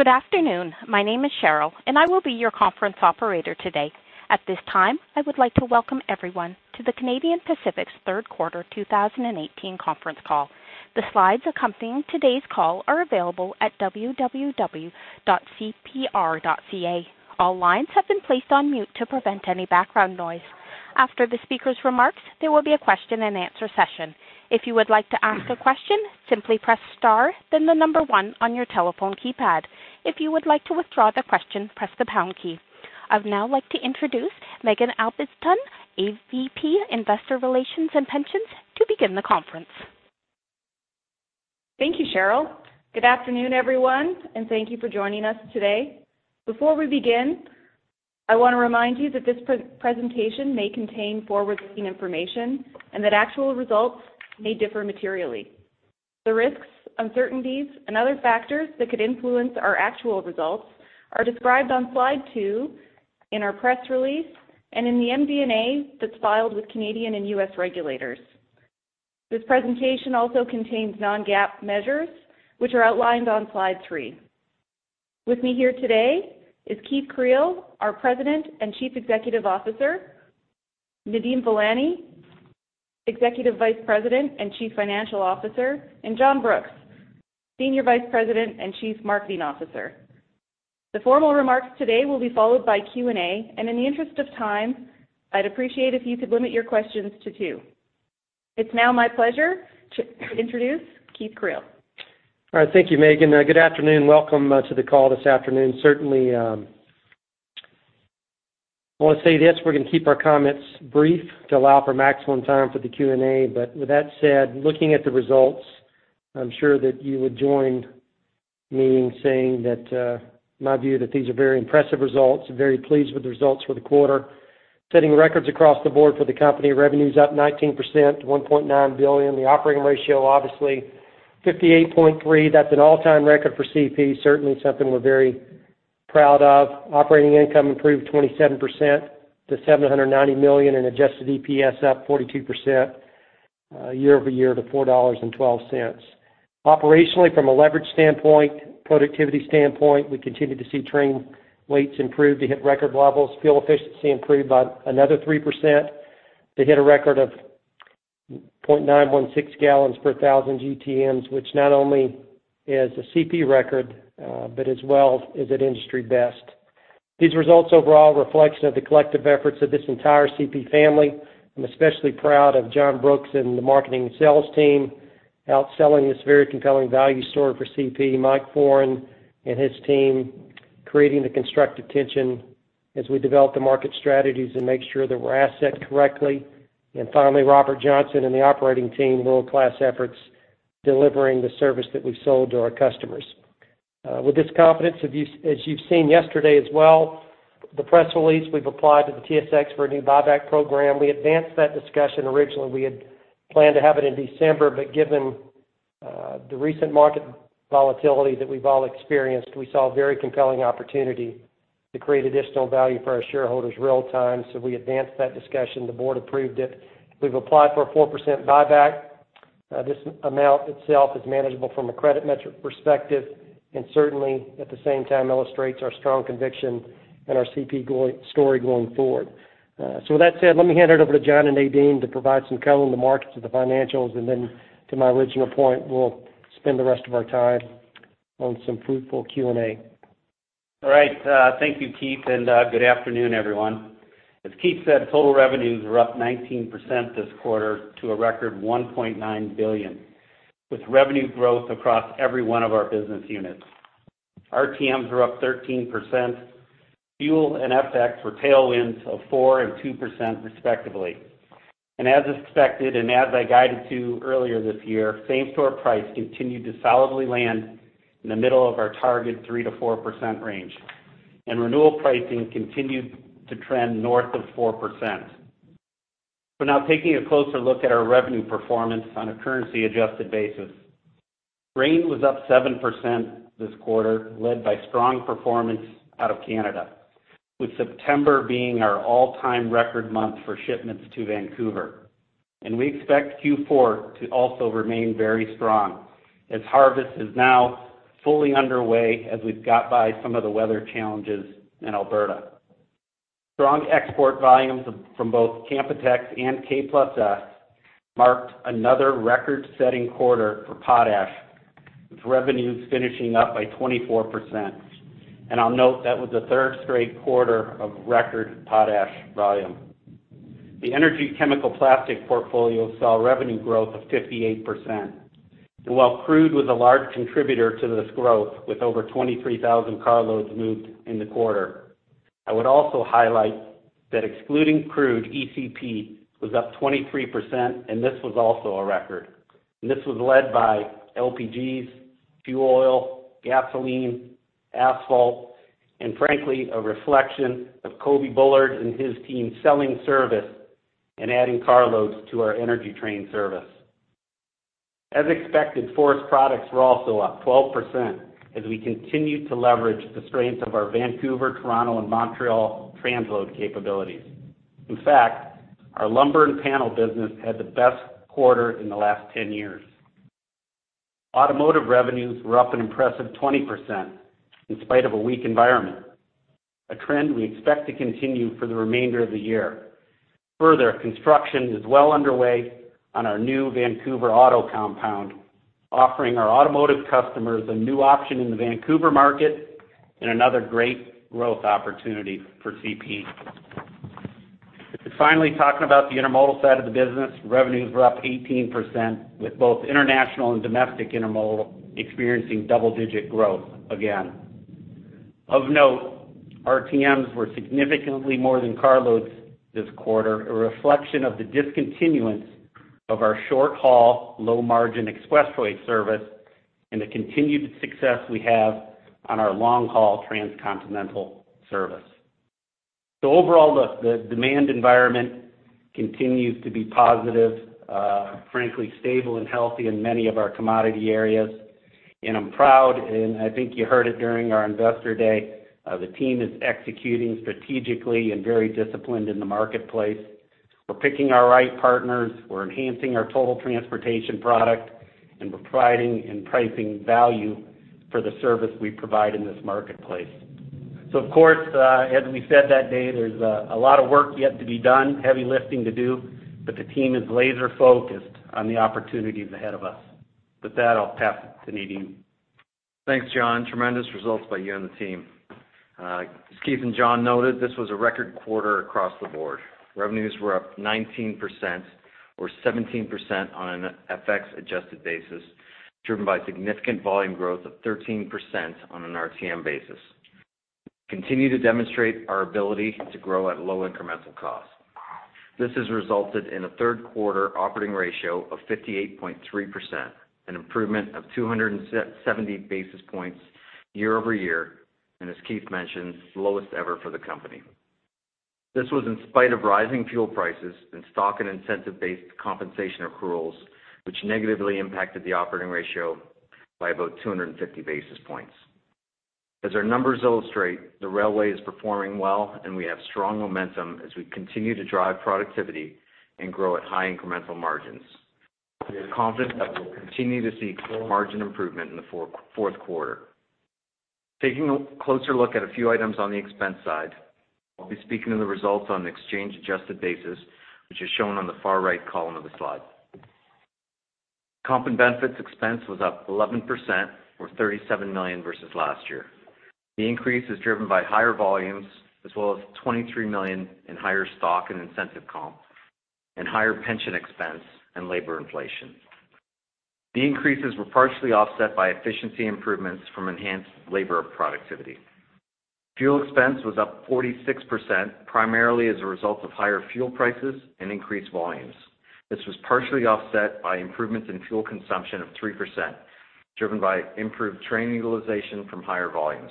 Good afternoon. My name is Sheryl, and I will be your conference operator today. At this time, I would like to welcome everyone to the Canadian Pacific's third-quarter 2018 conference call. The slides accompanying today's call are available at www.CPR.ca. All lines have been placed on mute to prevent any background noise. After the speaker's remarks, there will be a question-and-answer session. If you would like to ask a question, simply press star then the number one on your telephone keypad. If you would like to withdraw the question, press the pound key. I would now like to introduce Maeghan Albiston, AVP Investor Relations and Pensions, to begin the conference. Thank you, Sheryl. Good afternoon, everyone, and thank you for joining us today. Before we begin, I want to remind you that this presentation may contain forward-looking information and that actual results may differ materially. The risks, uncertainties, and other factors that could influence our actual results are described on slide two in our press release and in the MD&A that's filed with Canadian and U.S. regulators. This presentation also contains non-GAAP measures, which are outlined on slide three. With me here today is Keith Creel, our President and Chief Executive Officer, Nadeem Velani, Executive Vice President and Chief Financial Officer, and John Brooks, Senior Vice President and Chief Marketing Officer. The formal remarks today will be followed by Q&A, and in the interest of time, I'd appreciate if you could limit your questions to two. It's now my pleasure to introduce Keith Creel. All right. Thank you, Maeghan. Good afternoon. Welcome to the call this afternoon. Certainly, I want to say this: we're going to keep our comments brief to allow for maximum time for the Q&A. But with that said, looking at the results, I'm sure that you would join me saying that my view is that these are very impressive results. Very pleased with the results for the quarter. Setting records across the board for the company: revenues up 19% to 1.9 billion. The operating ratio, obviously, 58.3%. That's an all-time record for CP, certainly something we're very proud of. Operating income improved 27% to 790 million and adjusted EPS up 42% year-over-year to 4.12 dollars. Operationally, from a leverage standpoint, productivity standpoint, we continue to see train weights improve to hit record levels. Fuel efficiency improved by another 3% to hit a record of 0.916 gallons per 1,000 GTMs, which not only is a CP record but as well is at industry best. These results overall are a reflection of the collective efforts of this entire CP family. I'm especially proud of John Brooks and the marketing and sales team outselling this very compelling value story for CP, Mike Foran and his team creating the constructive tension as we develop the market strategies and make sure that we're assessed correctly. And finally, Robert Johnson and the operating team, world-class efforts delivering the service that we've sold to our customers. With this confidence, as you've seen yesterday as well in the press release, we've applied to the TSX for a new buyback program. We advanced that discussion. Originally, we had planned to have it in December, but given the recent market volatility that we've all experienced, we saw a very compelling opportunity to create additional value for our shareholders real-time. So we advanced that discussion. The board approved it. We've applied for a 4% buyback. This amount itself is manageable from a credit metric perspective and certainly, at the same time, illustrates our strong conviction and our CP story going forward. So with that said, let me hand it over to John and Nadeem to provide some color on the markets and the financials. And then to my original point, we'll spend the rest of our time on some fruitful Q&A. All right. Thank you, Keith, and good afternoon, everyone. As Keith said, total revenues were up 19% this quarter to a record 1.9 billion with revenue growth across every one of our business units. RTMs were up 13%. Fuel and FX were tailwinds of 4% and 2%, respectively. As expected and as I guided to earlier this year, same-store price continued to solidly land in the middle of our target 3%-4% range, and renewal pricing continued to trend north of 4%. We're now taking a closer look at our revenue performance on a currency-adjusted basis. Grain was up 7% this quarter, led by strong performance out of Canada, with September being our all-time record month for shipments to Vancouver. We expect Q4 to also remain very strong as harvest is now fully underway as we've got by some of the weather challenges in Alberta. Strong export volumes from both Canpotex and K+S marked another record-setting quarter for potash, with revenues finishing up by 24%. And I'll note that was the third straight quarter of record potash volume. The energy chemical plastic portfolio saw revenue growth of 58%. And while crude was a large contributor to this growth, with over 23,000 carloads moved in the quarter, I would also highlight that excluding crude, ECP was up 23%, and this was also a record. And this was led by LPGs, fuel oil, gasoline, asphalt, and frankly, a reflection of Coby Bullard and his team selling service and adding carloads to our energy train service. As expected, forest products were also up 12% as we continue to leverage the strength of our Vancouver, Toronto, and Montreal transload capabilities. In fact, our lumber and panel business had the best quarter in the last 10 years. Automotive revenues were up an impressive 20% in spite of a weak environment, a trend we expect to continue for the remainder of the year. Further, construction is well underway on our new Vancouver Auto Compound, offering our automotive customers a new option in the Vancouver market and another great growth opportunity for CP. And finally, talking about the intermodal side of the business, revenues were up 18%, with both international and domestic intermodal experiencing double-digit growth again. Of note, RTMs were significantly more than carloads this quarter, a reflection of the discontinuance of our short-haul, low-margin express freight service and the continued success we have on our long-haul transcontinental service. The overall, the demand environment continues to be positive, frankly stable and healthy in many of our commodity areas. I'm proud, and I think you heard it during our Investor Day, the team is executing strategically and very disciplined in the marketplace. We're picking our right partners. We're enhancing our total transportation product, and we're providing and pricing value for the service we provide in this marketplace. So of course, as we said that day, there's a lot of work yet to be done, heavy lifting to do, but the team is laser-focused on the opportunities ahead of us. With that, I'll pass it to Nadeem. Thanks, John. Tremendous results by you and the team. As Keith and John noted, this was a record quarter across the board. Revenues were up 19% or 17% on an FX-adjusted basis, driven by significant volume growth of 13% on an RTM basis. We continue to demonstrate our ability to grow at low incremental costs. This has resulted in a third-quarter operating ratio of 58.3%, an improvement of 270 basis points year-over-year and, as Keith mentioned, the lowest ever for the company. This was in spite of rising fuel prices and stock and incentive-based compensation accruals, which negatively impacted the operating ratio by about 250 basis points. As our numbers illustrate, the railway is performing well, and we have strong momentum as we continue to drive productivity and grow at high incremental margins. We are confident that we will continue to see margin improvement in the fourth quarter. Taking a closer look at a few items on the expense side, I'll be speaking of the results on an exchange-adjusted basis, which is shown on the far right column of the slide. Comp and benefits expense was up 11% or 37 million versus last year. The increase is driven by higher volumes as well as 23 million in higher stock and incentive comp and higher pension expense and labor inflation. The increases were partially offset by efficiency improvements from enhanced labor productivity. Fuel expense was up 46% primarily as a result of higher fuel prices and increased volumes. This was partially offset by improvements in fuel consumption of 3%, driven by improved train utilization from higher volumes.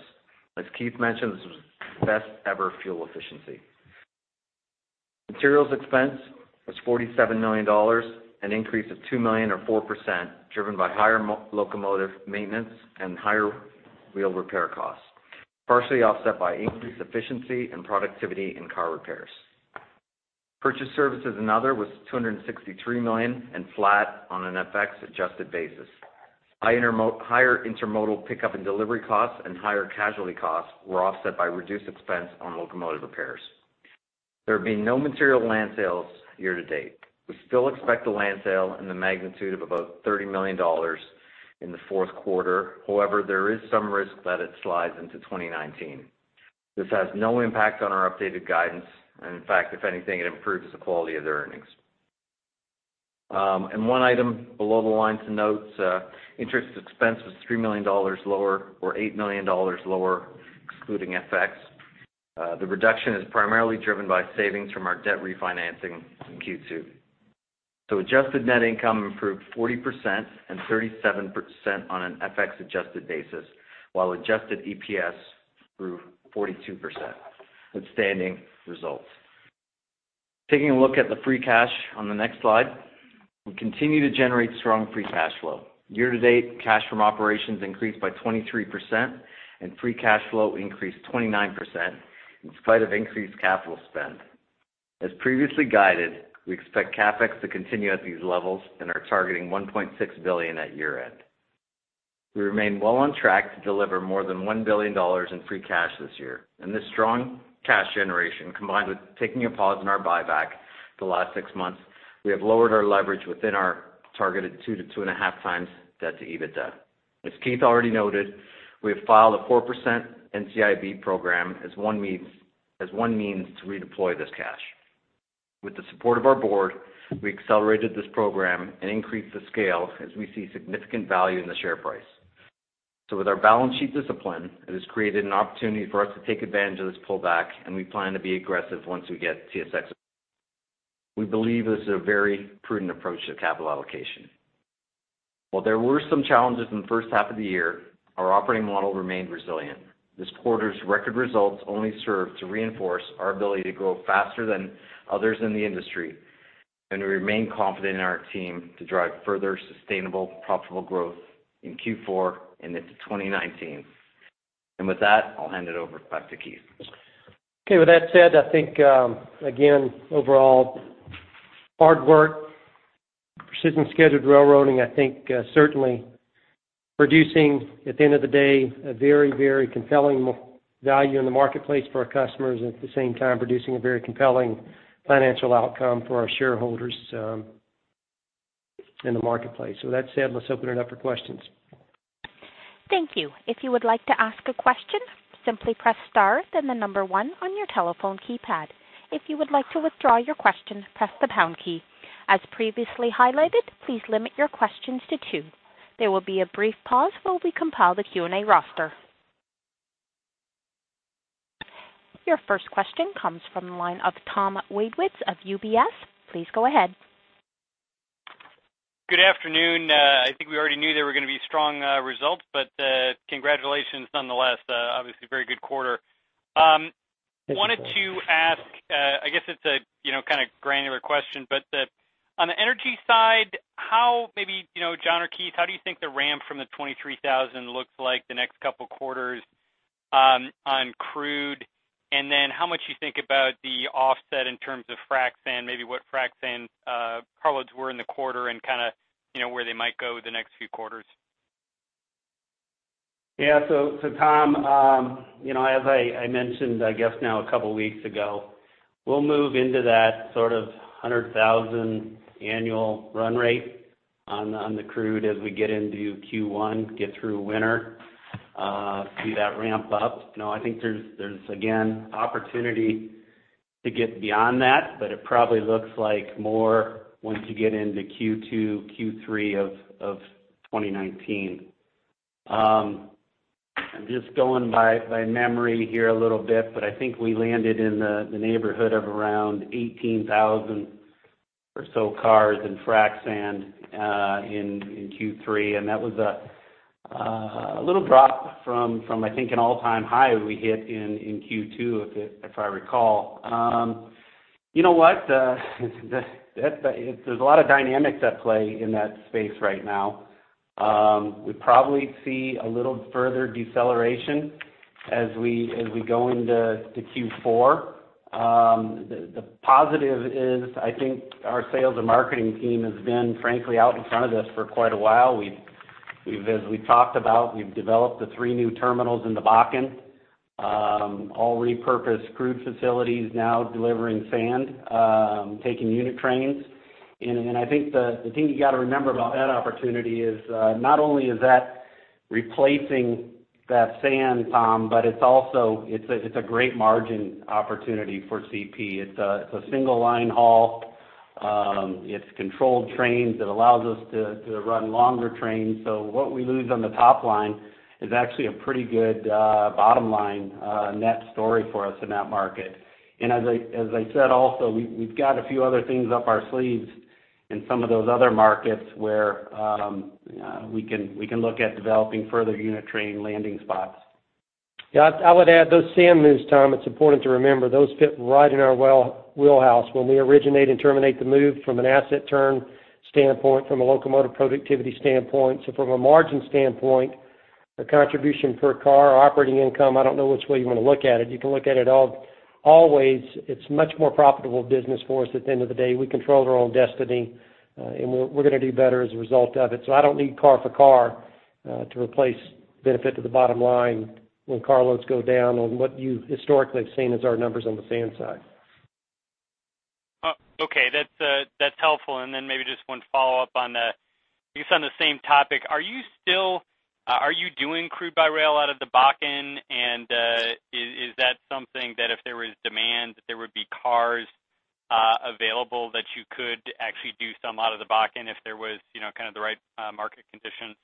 As Keith mentioned, this was best-ever fuel efficiency. Materials expense was 47 million dollars, an increase of 2 million or 4%, driven by higher locomotive maintenance and higher wheel repair costs, partially offset by increased efficiency and productivity in car repairs. Purchased services and other was 263 million and flat on an FX-adjusted basis. Higher intermodal pickup and delivery costs and higher casualty costs were offset by reduced expense on locomotive repairs. There have been no material land sales year to date. We still expect a land sale in the magnitude of about 30 million dollars in the fourth quarter. However, there is some risk that it slides into 2019. This has no impact on our updated guidance. In fact, if anything, it improves the quality of the earnings. One item below the lines of notes, interest expense was 3 million dollars lower or 8 million dollars lower, excluding FX. The reduction is primarily driven by savings from our debt refinancing in Q2. Adjusted net income improved 40% and 37% on an FX-adjusted basis, while adjusted EPS grew 42%, outstanding results. Taking a look at the free cash on the next slide, we continue to generate strong free cash flow. Year to date, cash from operations increased by 23%, and free cash flow increased 29% in spite of increased capital spend. As previously guided, we expect CapEx to continue at these levels and are targeting 1.6 billion at year-end. We remain well on track to deliver more than 1 billion dollars in free cash this year. This strong cash generation, combined with taking a pause in our buyback the last 6 months, we have lowered our leverage within our targeted 2x-2.5x debt to EBITDA. As Keith already noted, we have filed a 4% NCIB program as one means to redeploy this cash. With the support of our board, we accelerated this program and increased the scale as we see significant value in the share price. With our balance sheet discipline, it has created an opportunity for us to take advantage of this pullback, and we plan to be aggressive once we get TSX. We believe this is a very prudent approach to capital allocation. While there were some challenges in the first half of the year, our operating model remained resilient. This quarter's record results only serve to reinforce our ability to grow faster than others in the industry, and we remain confident in our team to drive further sustainable, profitable growth in Q4 and into 2019. And with that, I'll hand it over back to Keith. Okay. With that said, I think, again, overall, hard work, Precision-Scheduled Railroading, I think certainly producing, at the end of the day, a very, very compelling value in the marketplace for our customers and at the same time producing a very compelling financial outcome for our shareholders in the marketplace. So with that said, let's open it up for questions. Thank you. If you would like to ask a question, simply press star then the number one on your telephone keypad. If you would like to withdraw your question, press the pound key. As previously highlighted, please limit your questions to two. There will be a brief pause while we compile the Q&A roster. Your first question comes from the line of Tom Wadewitz of UBS. Please go ahead. Good afternoon. I think we already knew there were going to be strong results, but congratulations nonetheless. Obviously, very good quarter. Wanted to ask, I guess it's a kind of granular question, but on the energy side, maybe John or Keith, how do you think the ramp from the 23,000 looks like the next couple of quarters on crude? And then how much you think about the offset in terms of frac sand, maybe what frac sand carloads were in the quarter and kind of where they might go the next few quarters? Yeah. So Tom, as I mentioned, I guess now a couple of weeks ago, we'll move into that sort of 100,000 annual run rate on the crude as we get into Q1, get through winter, see that ramp up. I think there's, again, opportunity to get beyond that, but it probably looks like more once you get into Q2, Q3 of 2019. I'm just going by memory here a little bit, but I think we landed in the neighborhood of around 18,000 or so cars in frac sand in Q3. And that was a little drop from, I think, an all-time high we hit in Q2, if I recall. You know what? There's a lot of dynamics at play in that space right now. We probably see a little further deceleration as we go into Q4. The positive is, I think, our sales and marketing team has been, frankly, out in front of this for quite a while. As we've talked about, we've developed three new terminals in the Bakken, all repurposed crude facilities now delivering sand, taking unit trains. And I think the thing you got to remember about that opportunity is not only is that replacing that sand, Tom, but it's a great margin opportunity for CP. It's a single line haul. It's controlled trains. It allows us to run longer trains. So what we lose on the top line is actually a pretty good bottom line net story for us in that market. And as I said also, we've got a few other things up our sleeves in some of those other markets where we can look at developing further unit train landing spots. Yeah. I would add those sand moves, Tom. It's important to remember. Those fit right in our warehouse. When we originate and terminate the move from an asset turn standpoint, from a locomotive productivity standpoint, so from a margin standpoint, our contribution per car, operating income, I don't know which way you want to look at it. You can look at it always. It's much more profitable business for us at the end of the day. We control our own destiny, and we're going to do better as a result of it. So I don't need car for car to replace benefit to the bottom line when carloads go down on what you historically have seen as our numbers on the sand side. Okay. That's helpful. And then maybe just one follow-up on the I guess on the same topic, are you doing crude by rail out of the Bakken? And is that something that if there was demand, that there would be cars available that you could actually do some out of the Bakken if there was kind of the right market conditions?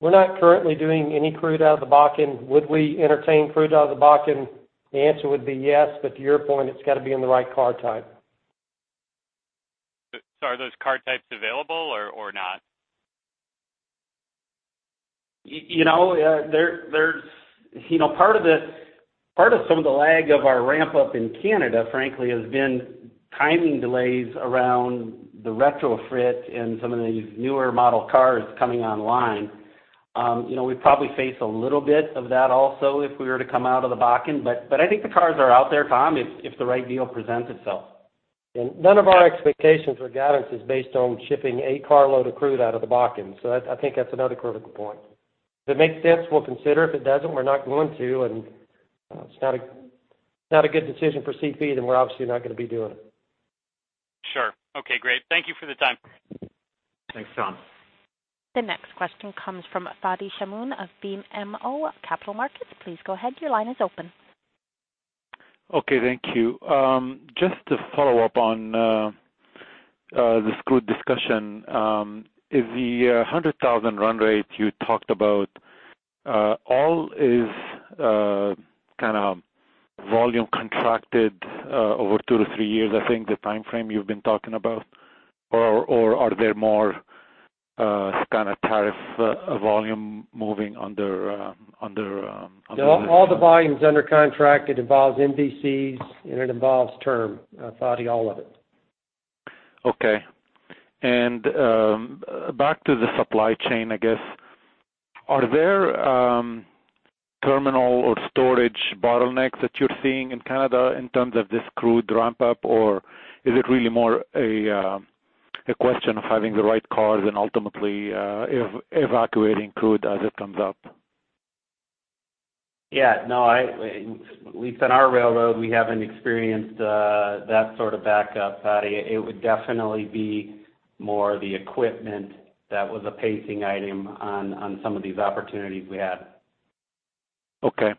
We're not currently doing any crude out of the Bakken. Would we entertain crude out of the Bakken? The answer would be yes. But to your point, it's got to be in the right car type. Sorry. Those car types available or not? Part of some of the lag of our ramp-up in Canada, frankly, has been timing delays around the retrofit and some of these newer model cars coming online. We'd probably face a little bit of that also if we were to come out of the Bakken. But I think the cars are out there, Tom, if the right deal presents itself. And none of our expectations or guidance is based on shipping a carload of crude out of the Bakken. So I think that's another critical point. If it makes sense, we'll consider. If it doesn't, we're not going to. And if it's not a good decision for CP, then we're obviously not going to be doing it. Sure. Okay. Great. Thank you for the time. Thanks, Tom. The next question comes from Fadi Chamoun of BMO Capital Markets. Please go ahead. Your line is open. Okay. Thank you. Just to follow up on this crude discussion, is the 100,000 run rate you talked about, all is kind of volume contracted over two to three years, I think, the timeframe you've been talking about? Or are there more kind of tariff volume moving under this? Yeah. All the volumes under contract involves MVCs, and it involves term, Fadi, all of it. Okay. Back to the supply chain, I guess, are there terminal or storage bottlenecks that you're seeing in Canada in terms of this crude ramp-up? Or is it really more a question of having the right cars and ultimately evacuating crude as it comes up? Yeah. No. At least on our railroad, we haven't experienced that sort of backup, Fadi. It would definitely be more the equipment that was a pacing item on some of these opportunities we had. Okay.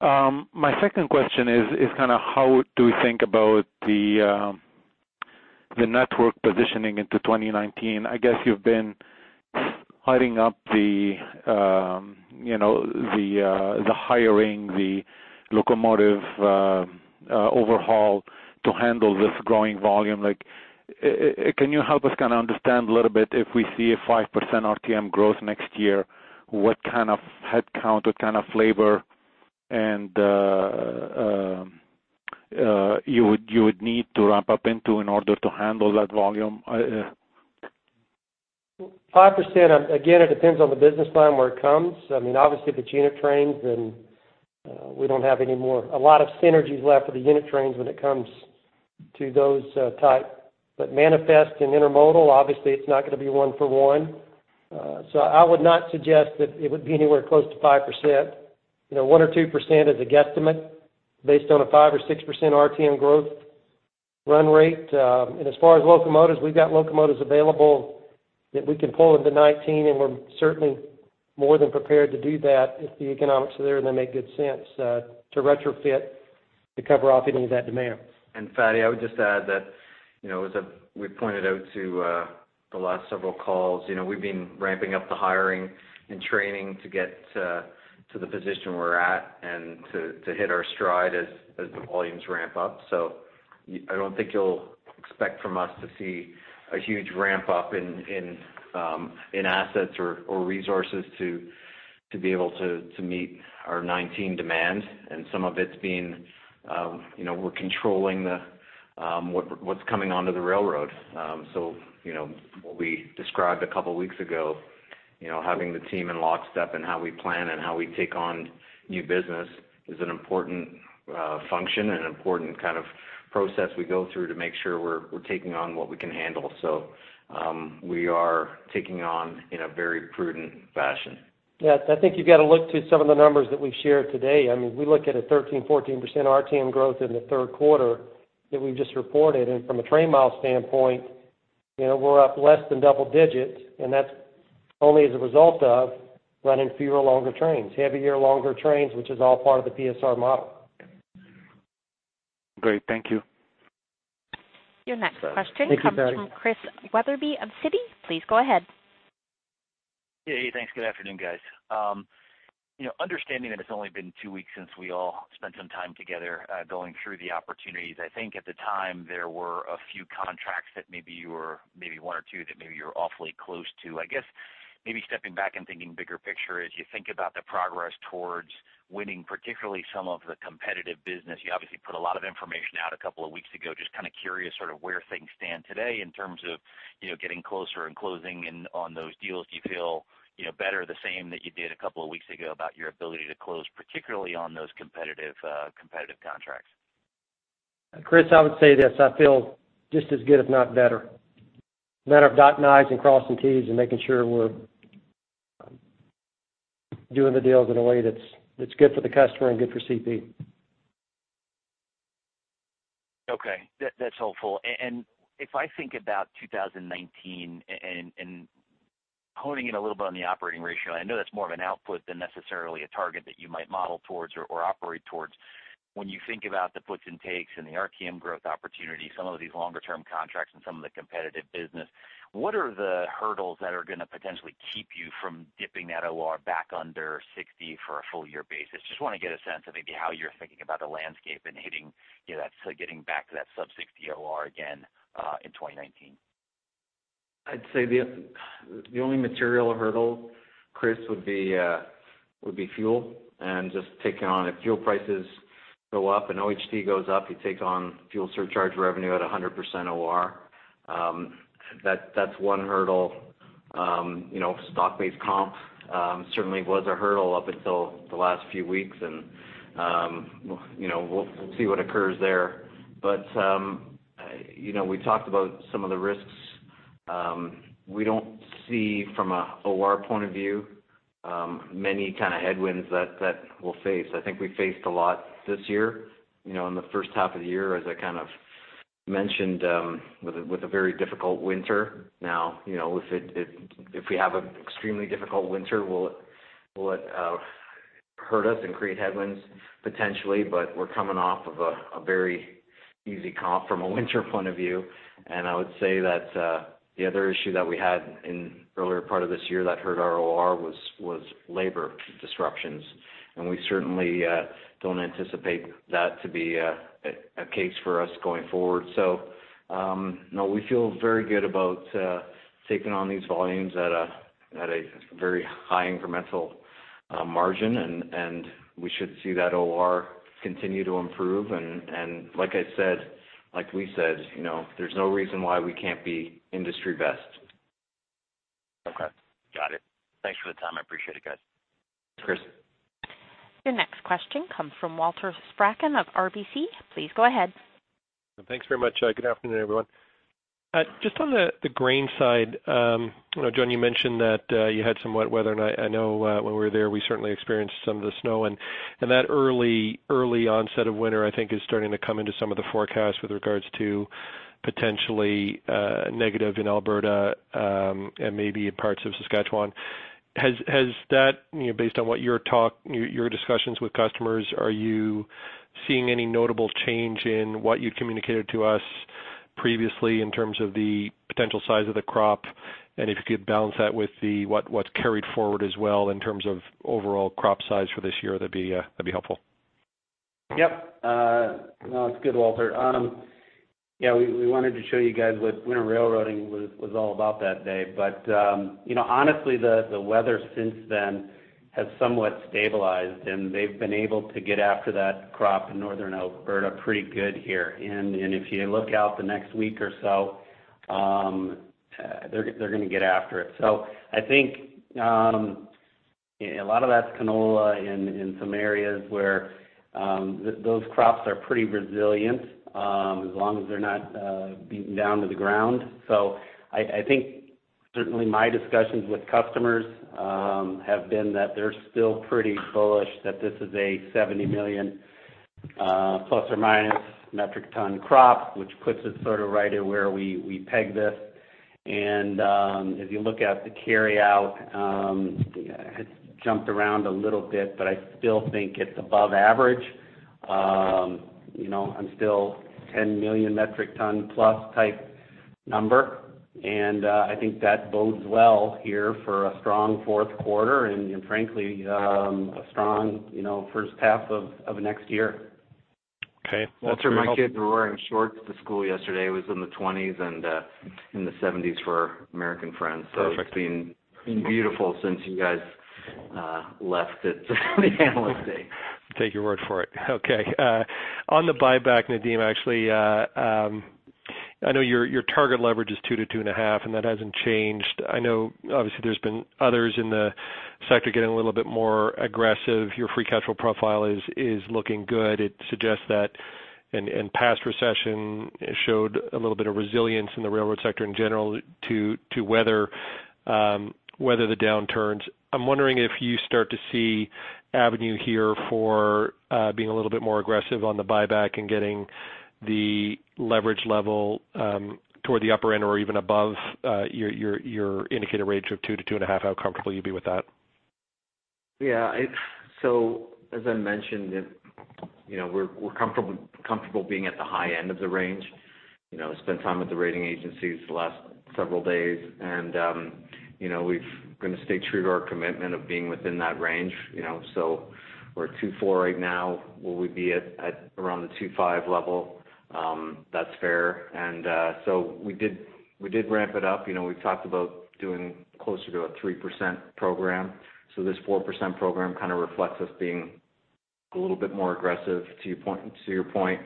My second question is kind of how do we think about the network positioning into 2019? I guess you've been hiding up the hiring, the locomotive overhaul to handle this growing volume. Can you help us kind of understand a little bit if we see a 5% RTM growth next year, what kind of headcount, what kind of labor, and you would need to ramp up into in order to handle that volume? 5%, again, it depends on the business line where it comes. I mean, obviously, if it's unit trains, then we don't have any more a lot of synergies left for the unit trains when it comes to those type. But manifest and intermodal, obviously, it's not going to be one-for-one. So I would not suggest that it would be anywhere close to 5%. 1% or 2% is a guesstimate based on a 5%-6% RTM growth run rate. And as far as locomotives, we've got locomotives available that we can pull into 2019, and we're certainly more than prepared to do that if the economics are there and they make good sense to retrofit to cover off any of that demand. And Fadi, I would just add that as we've pointed out to the last several calls, we've been ramping up the hiring and training to get to the position we're at and to hit our stride as the volumes ramp up. So I don't think you'll expect from us to see a huge ramp-up in assets or resources to be able to meet our 2019 demand. And some of it's being we're controlling what's coming onto the railroad. So what we described a couple of weeks ago, having the team in lockstep and how we plan and how we take on new business is an important function and an important kind of process we go through to make sure we're taking on what we can handle. So we are taking on in a very prudent fashion. Yeah. I think you've got to look to some of the numbers that we've shared today. I mean, we look at a 13%-14% RTM growth in the third quarter that we've just reported. And from a train mile standpoint, we're up less than double digits. And that's only as a result of running fewer longer trains, heavier, longer trains, which is all part of the PSR model. Great. Thank you. Your next question comes from Chris Wetherbee of Citi. Please go ahead. Hey. Thanks. Good afternoon, guys. Understanding that it's only been two weeks since we all spent some time together going through the opportunities, I think at the time, there were a few contracts that maybe you were maybe one or two that maybe you were awfully close to. I guess maybe stepping back and thinking bigger picture, as you think about the progress towards winning, particularly some of the competitive business, you obviously put a lot of information out a couple of weeks ago just kind of curious sort of where things stand today in terms of getting closer and closing on those deals. Do you feel better, the same that you did a couple of weeks ago, about your ability to close, particularly on those competitive contracts? Chris, I would say this. I feel just as good, if not better. Matter of dotting i's and crossing t's and making sure we're doing the deals in a way that's good for the customer and good for CP. Okay. That's helpful. And if I think about 2019 and honing in a little bit on the operating ratio - I know that's more of an output than necessarily a target that you might model towards or operate towards - when you think about the puts and takes and the RTM growth opportunity, some of these longer-term contracts and some of the competitive business, what are the hurdles that are going to potentially keep you from dipping that OR back under 60 for a full-year basis? Just want to get a sense of maybe how you're thinking about the landscape and getting back to that sub-60 OR again in 2019. I'd say the only material hurdle, Chris, would be fuel and just taking on if fuel prices go up and OHD goes up, you take on fuel surcharge revenue at 100% OR. That's one hurdle. Stock-based comp certainly was a hurdle up until the last few weeks. And we'll see what occurs there. But we talked about some of the risks. We don't see, from an OR point of view, many kind of headwinds that we'll face. I think we faced a lot this year in the first half of the year, as I kind of mentioned, with a very difficult winter. Now, if we have an extremely difficult winter, will it hurt us and create headwinds, potentially? But we're coming off of a very easy comp from a winter point of view. I would say that the other issue that we had in earlier part of this year that hurt our OR was labor disruptions. We certainly don't anticipate that to be a case for us going forward. No, we feel very good about taking on these volumes at a very high incremental margin. We should see that OR continue to improve. Like I said, like we said, there's no reason why we can't be industry best. Okay. Got it. Thanks for the time. I appreciate it, guys. Thanks, Chris. Your next question comes from Walter Spracklin of RBC. Please go ahead. Thanks very much. Good afternoon, everyone. Just on the grain side, John, you mentioned that you had some wet weather. I know when we were there, we certainly experienced some of the snow. That early onset of winter, I think, is starting to come into some of the forecasts with regards to potentially negative in Alberta and maybe in parts of Saskatchewan. Based on your discussions with customers, are you seeing any notable change in what you'd communicated to us previously in terms of the potential size of the crop? If you could balance that with what's carried forward as well in terms of overall crop size for this year, that'd be helpful. Yep. No, it's good, Walter. Yeah. We wanted to show you guys what winter railroading was all about that day. But honestly, the weather since then has somewhat stabilized. And they've been able to get after that crop in northern Alberta pretty good here. And if you look out the next week or so, they're going to get after it. So I think a lot of that's canola in some areas where those crops are pretty resilient as long as they're not beaten down to the ground. So I think certainly my discussions with customers have been that they're still pretty bullish that this is a 70 million± metric ton crop, which puts us sort of right at where we peg this. And as you look at the carryout, it's jumped around a little bit, but I still think it's above average. I'm still 10 million metric ton plus type number. I think that bodes well here for a strong fourth quarter and, frankly, a strong first half of next year. Okay. That's great. Walter and my kids were wearing shorts to school yesterday. It was in the 20s and in the 70s for American friends. So it's been beautiful since you guys left at the Analyst Day. Take your word for it. Okay. On the buyback, Nadeem, actually, I know your target leverage is 2-2.5, and that hasn't changed. I know, obviously, there's been others in the sector getting a little bit more aggressive. Your free cash flow profile is looking good. It suggests that and past recession showed a little bit of resilience in the railroad sector in general to weather the downturns. I'm wondering if you start to see avenue here for being a little bit more aggressive on the buyback and getting the leverage level toward the upper end or even above your indicator range of 2-2.5. How comfortable you'd be with that? Yeah. So as I mentioned, we're comfortable being at the high end of the range. I spent time with the rating agencies the last several days. We're going to stay true to our commitment of being within that range. So we're at 2.4 right now. Will we be at around the 2.5 level? That's fair. And so we did ramp it up. We talked about doing closer to a 3% program. So this 4% program kind of reflects us being a little bit more aggressive. To your point,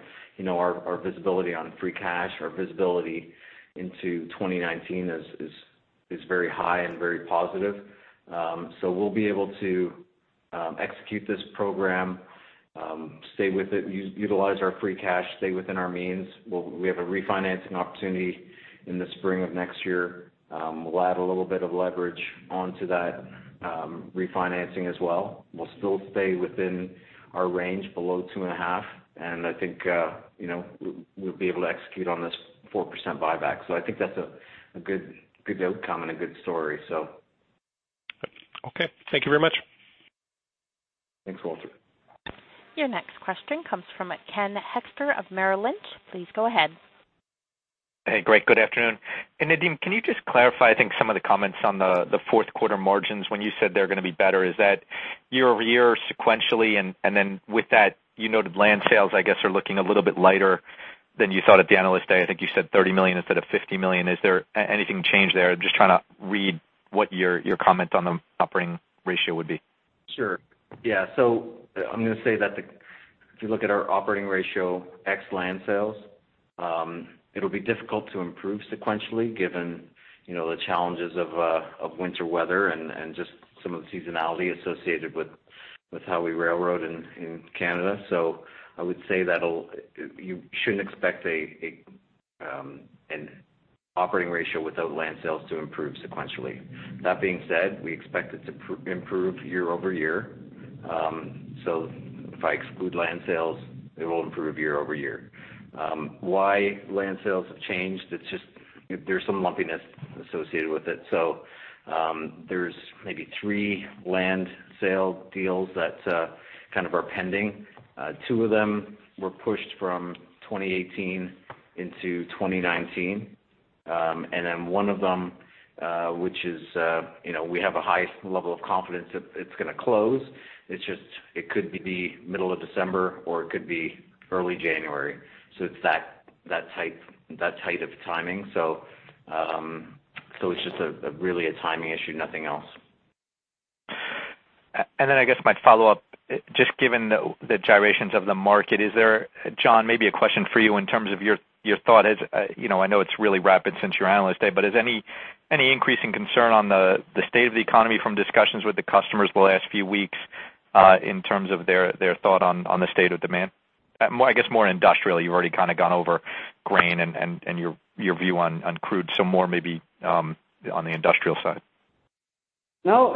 our visibility on free cash, our visibility into 2019 is very high and very positive. So we'll be able to execute this program, stay with it, utilize our free cash, stay within our means. We have a refinancing opportunity in the spring of next year. We'll add a little bit of leverage onto that refinancing as well. We'll still stay within our range below 2.5. I think we'll be able to execute on this 4% buyback. I think that's a good outcome and a good story, so. Okay. Thank you very much. Thanks, Walter. Your next question comes from Ken Hoexter of Merrill Lynch. Please go ahead. Hey. Great. Good afternoon. Nadeem, can you just clarify, I think, some of the comments on the fourth-quarter margins when you said they're going to be better? Is that year-over-year, sequentially? And then with that, you noted land sales, I guess, are looking a little bit lighter than you thought at the Analyst Day. I think you said 30 million instead of 50 million. Is there anything changed there? Just trying to read what your comment on the operating ratio would be? Sure. Yeah. So I'm going to say that if you look at our operating ratio ex land sales, it'll be difficult to improve sequentially given the challenges of winter weather and just some of the seasonality associated with how we railroad in Canada. So I would say that you shouldn't expect an operating ratio without land sales to improve sequentially. That being said, we expect it to improve year-over-year. So if I exclude land sales, it will improve year-over-year. Why land sales have changed? There's some lumpiness associated with it. So there's maybe three land sale deals that kind of are pending. Two of them were pushed from 2018 into 2019. And then one of them, which is we have a high level of confidence that it's going to close. It could be the middle of December, or it could be early January. It's that tight of timing. It's just really a timing issue, nothing else. And then I guess my follow-up, just given the gyrations of the market, is there, John, maybe a question for you in terms of your thought? I know it's really rapid since your Analyst Day, but is any increasing concern on the state of the economy from discussions with the customers the last few weeks in terms of their thought on the state of demand? I guess more industrially. You've already kind of gone over grain and your view on crude, so more maybe on the industrial side. No.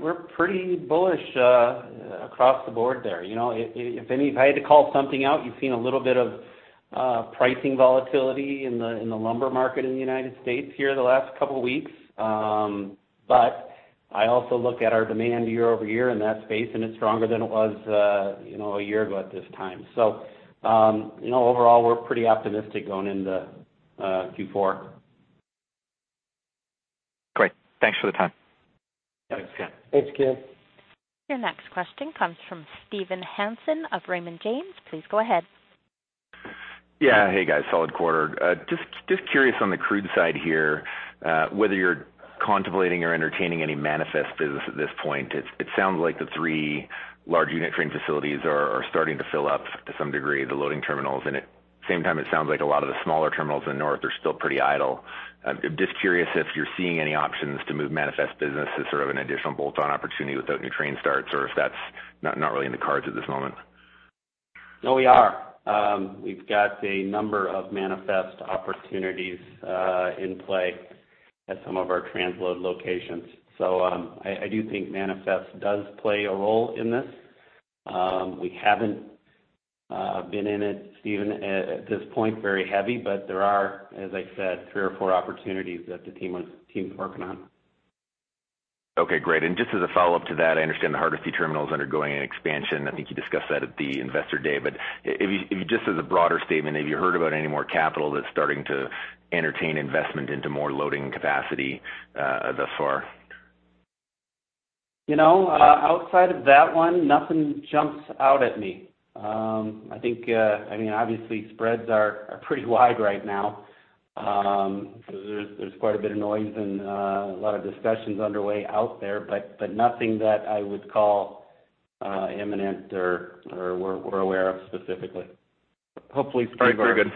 We're pretty bullish across the board there. If I had to call something out, you've seen a little bit of pricing volatility in the lumber market in the United States here the last couple of weeks. But I also look at our demand year-over-year in that space, and it's stronger than it was a year ago at this time. So overall, we're pretty optimistic going into Q4. Great. Thanks for the time. Thanks, Ken. Thanks, Ken. Your next question comes from Stephen Hansen of Raymond James. Please go ahead. Yeah. Hey, guys. Solid quarter. Just curious on the crude side here, whether you're contemplating or entertaining any manifest business at this point. It sounds like the three large unit train facilities are starting to fill up to some degree, the loading terminals. And at the same time, it sounds like a lot of the smaller terminals in the north are still pretty idle. Just curious if you're seeing any options to move manifest business to sort of an additional bolt-on opportunity without new train starts or if that's not really in the cards at this moment. No, we are. We've got a number of manifest opportunities in play at some of our transload locations. So I do think manifest does play a role in this. We haven't been in it, Stephen, at this point, very heavy. But there are, as I said, three or four opportunities that the team's working on. Okay. Great. And just as a follow-up to that, I understand the Hardisty Terminal is undergoing an expansion. I think you discussed that at the Investor Day. But just as a broader statement, have you heard about any more capital that's starting to entertain investment into more loading capacity thus far? Outside of that one, nothing jumps out at me. I mean, obviously, spreads are pretty wide right now. There's quite a bit of noise and a lot of discussions underway out there, but nothing that I would call imminent or we're aware of specifically. Great. Very good.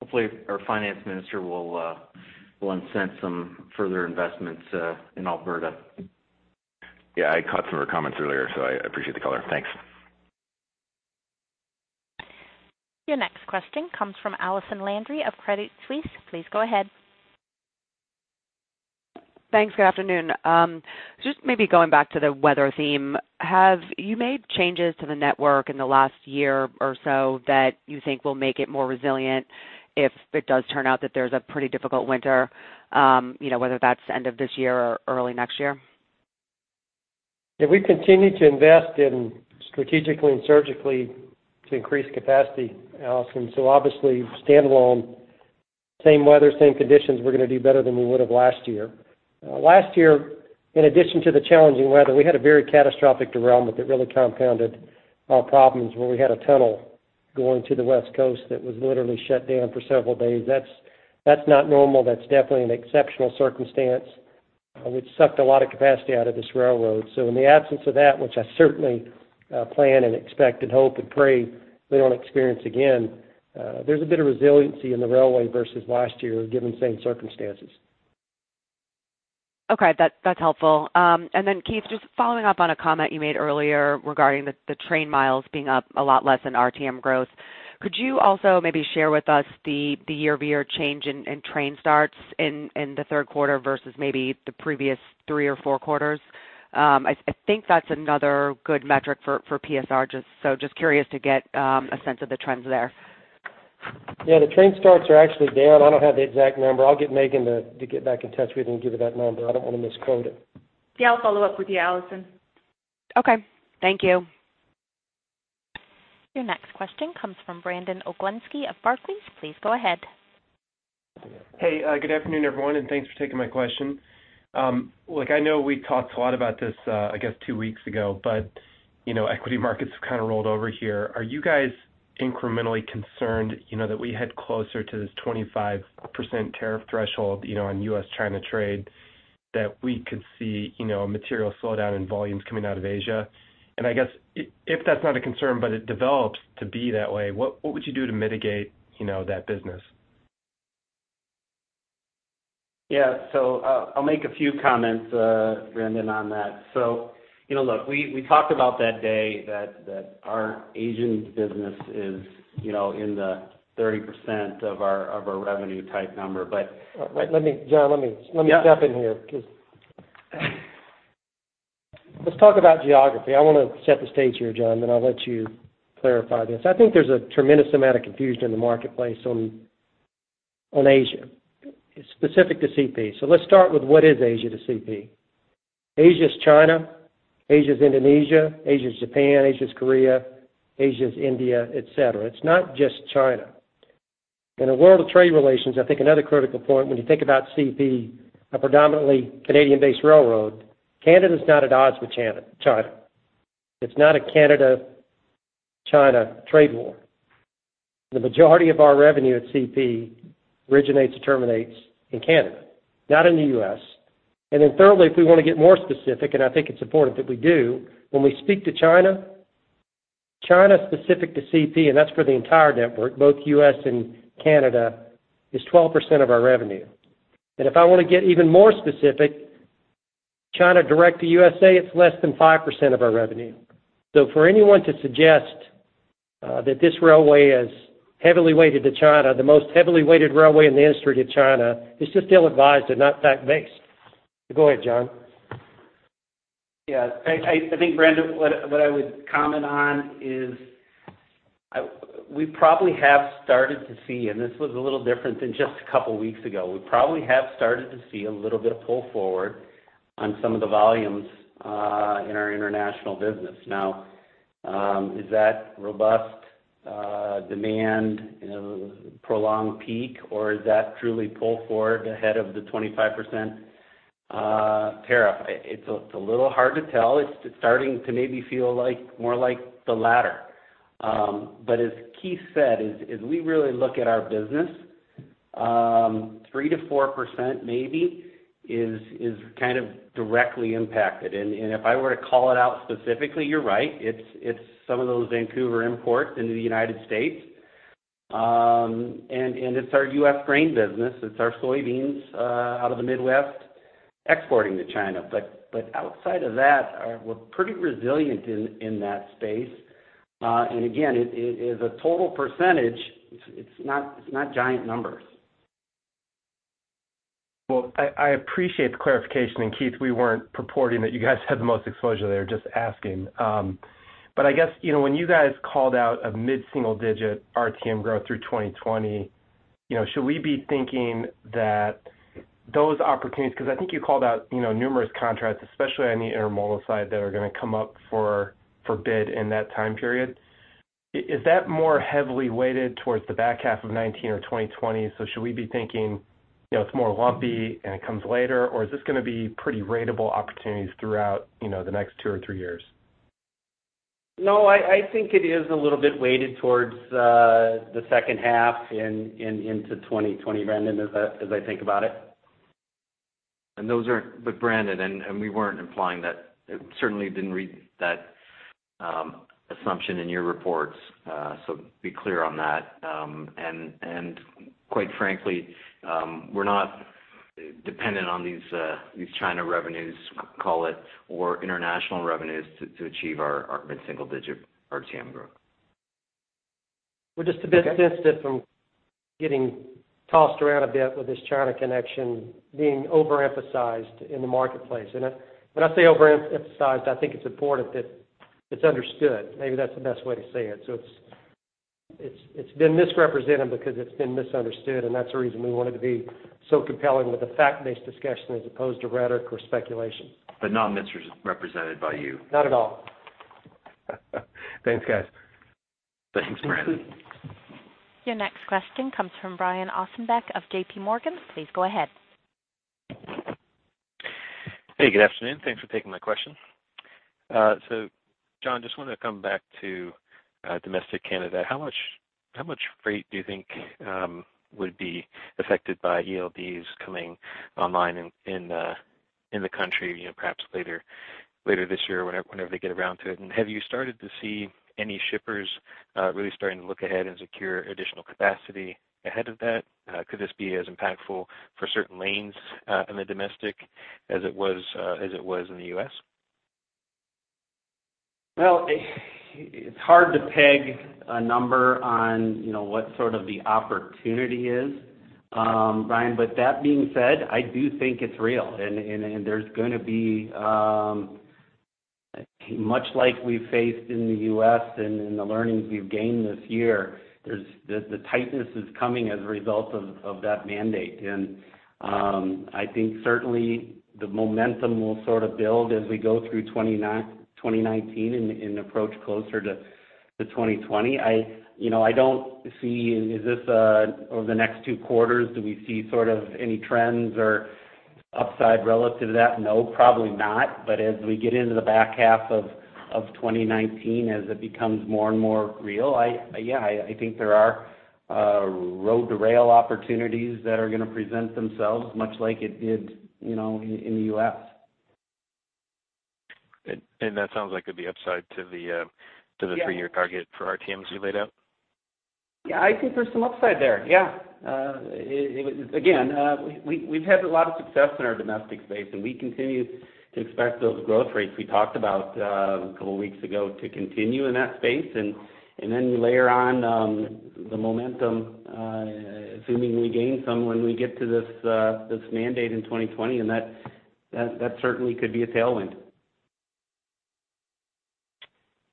Hopefully, our finance minister will incent some further investments in Alberta. Yeah. I caught some of her comments earlier, so I appreciate the color. Thanks. Your next question comes from Allison Landry of Credit Suisse. Please go ahead. Thanks. Good afternoon. Just maybe going back to the weather theme, have you made changes to the network in the last year or so that you think will make it more resilient if it does turn out that there's a pretty difficult winter, whether that's end of this year or early next year? Yeah. We continue to invest strategically and surgically to increase capacity, Allison. So obviously, standalone, same weather, same conditions, we're going to do better than we would have last year. Last year, in addition to the challenging weather, we had a very catastrophic derailment that really compounded our problems where we had a tunnel going to the west coast that was literally shut down for several days. That's not normal. That's definitely an exceptional circumstance, which sucked a lot of capacity out of this railroad. So in the absence of that, which I certainly plan and expect and hope and pray we don't experience again, there's a bit of resiliency in the railway versus last year given same circumstances. Okay. That's helpful. And then, Keith, just following up on a comment you made earlier regarding the train miles being up a lot less in RTM growth, could you also maybe share with us the year-over-year change in train starts in the third quarter versus maybe the previous three or four quarters? I think that's another good metric for PSR, so just curious to get a sense of the trends there. Yeah. The train starts are actually down. I don't have the exact number. I'll get Maeghan to get back in touch with you and give you that number. I don't want to misquote it. Yeah. I'll follow up with you, Allison. Okay. Thank you. Your next question comes from Brandon Oglenski of Barclays. Please go ahead. Hey. Good afternoon, everyone, and thanks for taking my question. I know we talked a lot about this, I guess, two weeks ago, but equity markets have kind of rolled over here. Are you guys incrementally concerned that we head closer to this 25% tariff threshold on U.S.-China trade, that we could see a material slowdown in volumes coming out of Asia? And I guess if that's not a concern, but it develops to be that way, what would you do to mitigate that business? Yeah. So I'll make a few comments, Brandon, on that. So look, we talked about that day, that our Asian business is in the 30% of our revenue type number. But. John, let me step in here because, let's talk about geography. I want to set the stage here, John, then I'll let you clarify this. I think there's a tremendous amount of confusion in the marketplace on Asia, specific to CP. So let's start with what is Asia to CP. Asia is China, Asia is Indonesia, Asia is Japan, Asia is Korea, Asia is India, etc. It's not just China. In a world of trade relations, I think another critical point, when you think about CP, a predominantly Canadian-based railroad, Canada is not at odds with China. It's not a Canada-China trade war. The majority of our revenue at CP originates and terminates in Canada, not in the US. And then thirdly, if we want to get more specific, and I think it's important that we do, when we speak to China, China specific to CP, and that's for the entire network, both U.S. and Canada, is 12% of our revenue. And if I want to get even more specific, China direct to USA, it's less than 5% of our revenue. So for anyone to suggest that this railway is heavily weighted to China, the most heavily weighted railway in the industry to China, it's just not fact-based. Go ahead, John. Yeah. I think, Brandon, what I would comment on is we probably have started to see and this was a little different than just a couple of weeks ago. We probably have started to see a little bit of pull forward on some of the volumes in our international business. Now, is that robust demand, prolonged peak, or is that truly pull forward ahead of the 25% tariff? It's a little hard to tell. It's starting to maybe feel more like the latter. But as Keith said, as we really look at our business, 3%-4% maybe is kind of directly impacted. And if I were to call it out specifically, you're right. It's some of those Vancouver imports into the United States. And it's our US grain business. It's our soybeans out of the Midwest exporting to China. Outside of that, we're pretty resilient in that space. Again, as a total percentage, it's not giant numbers. Well, I appreciate the clarification. And Keith, we weren't purporting that you guys had the most exposure there. Just asking. But I guess when you guys called out a mid-single-digit RTM growth through 2020, should we be thinking that those opportunities because I think you called out numerous contracts, especially on the intermodal side, that are going to come up for bid in that time period. Is that more heavily weighted towards the back half of 2019 or 2020? So should we be thinking it's more lumpy and it comes later, or is this going to be pretty ratable opportunities throughout the next two or three years? No. I think it is a little bit weighted towards the second half into 2020, Brandon, as I think about it. But Brandon, and we weren't implying that. Certainly, didn't read that assumption in your reports, so be clear on that. And quite frankly, we're not dependent on these China revenues, call it, or international revenues to achieve our mid-single-digit RTM growth. We're just a bit distant from getting tossed around a bit with this China connection being overemphasized in the marketplace. When I say overemphasized, I think it's important that it's understood. Maybe that's the best way to say it. It's been misrepresented because it's been misunderstood, and that's the reason we wanted to be so compelling with a fact-based discussion as opposed to rhetoric or speculation. But not misrepresented by you. Not at all. Thanks, guys. Thanks, Brandon. Your next question comes from Brian Ossenbeck of JPMorgan. Please go ahead. Hey. Good afternoon. Thanks for taking my question. So John, just wanted to come back to domestic Canada. How much freight do you think would be affected by ELDs coming online in the country, perhaps later this year or whenever they get around to it? And have you started to see any shippers really starting to look ahead and secure additional capacity ahead of that? Could this be as impactful for certain lanes in the domestic as it was in the U.S.? Well, it's hard to peg a number on what sort of the opportunity is, Ryan. But that being said, I do think it's real. And there's going to be much like we've faced in the U.S. and the learnings we've gained this year, the tightness is coming as a result of that mandate. And I think certainly, the momentum will sort of build as we go through 2019 and approach closer to 2020. I don't see is this over the next two quarters, do we see sort of any trends or upside relative to that? No, probably not. But as we get into the back half of 2019, as it becomes more and more real, yeah, I think there are road-to-rail opportunities that are going to present themselves much like it did in the U.S. That sounds like it'd be upside to the three-year target for RTMs you laid out? Yeah. I think there's some upside there. Yeah. Again, we've had a lot of success in our domestic space, and we continue to expect those growth rates we talked about a couple of weeks ago to continue in that space. And then you layer on the momentum, assuming we gain some when we get to this mandate in 2020, and that certainly could be a tailwind.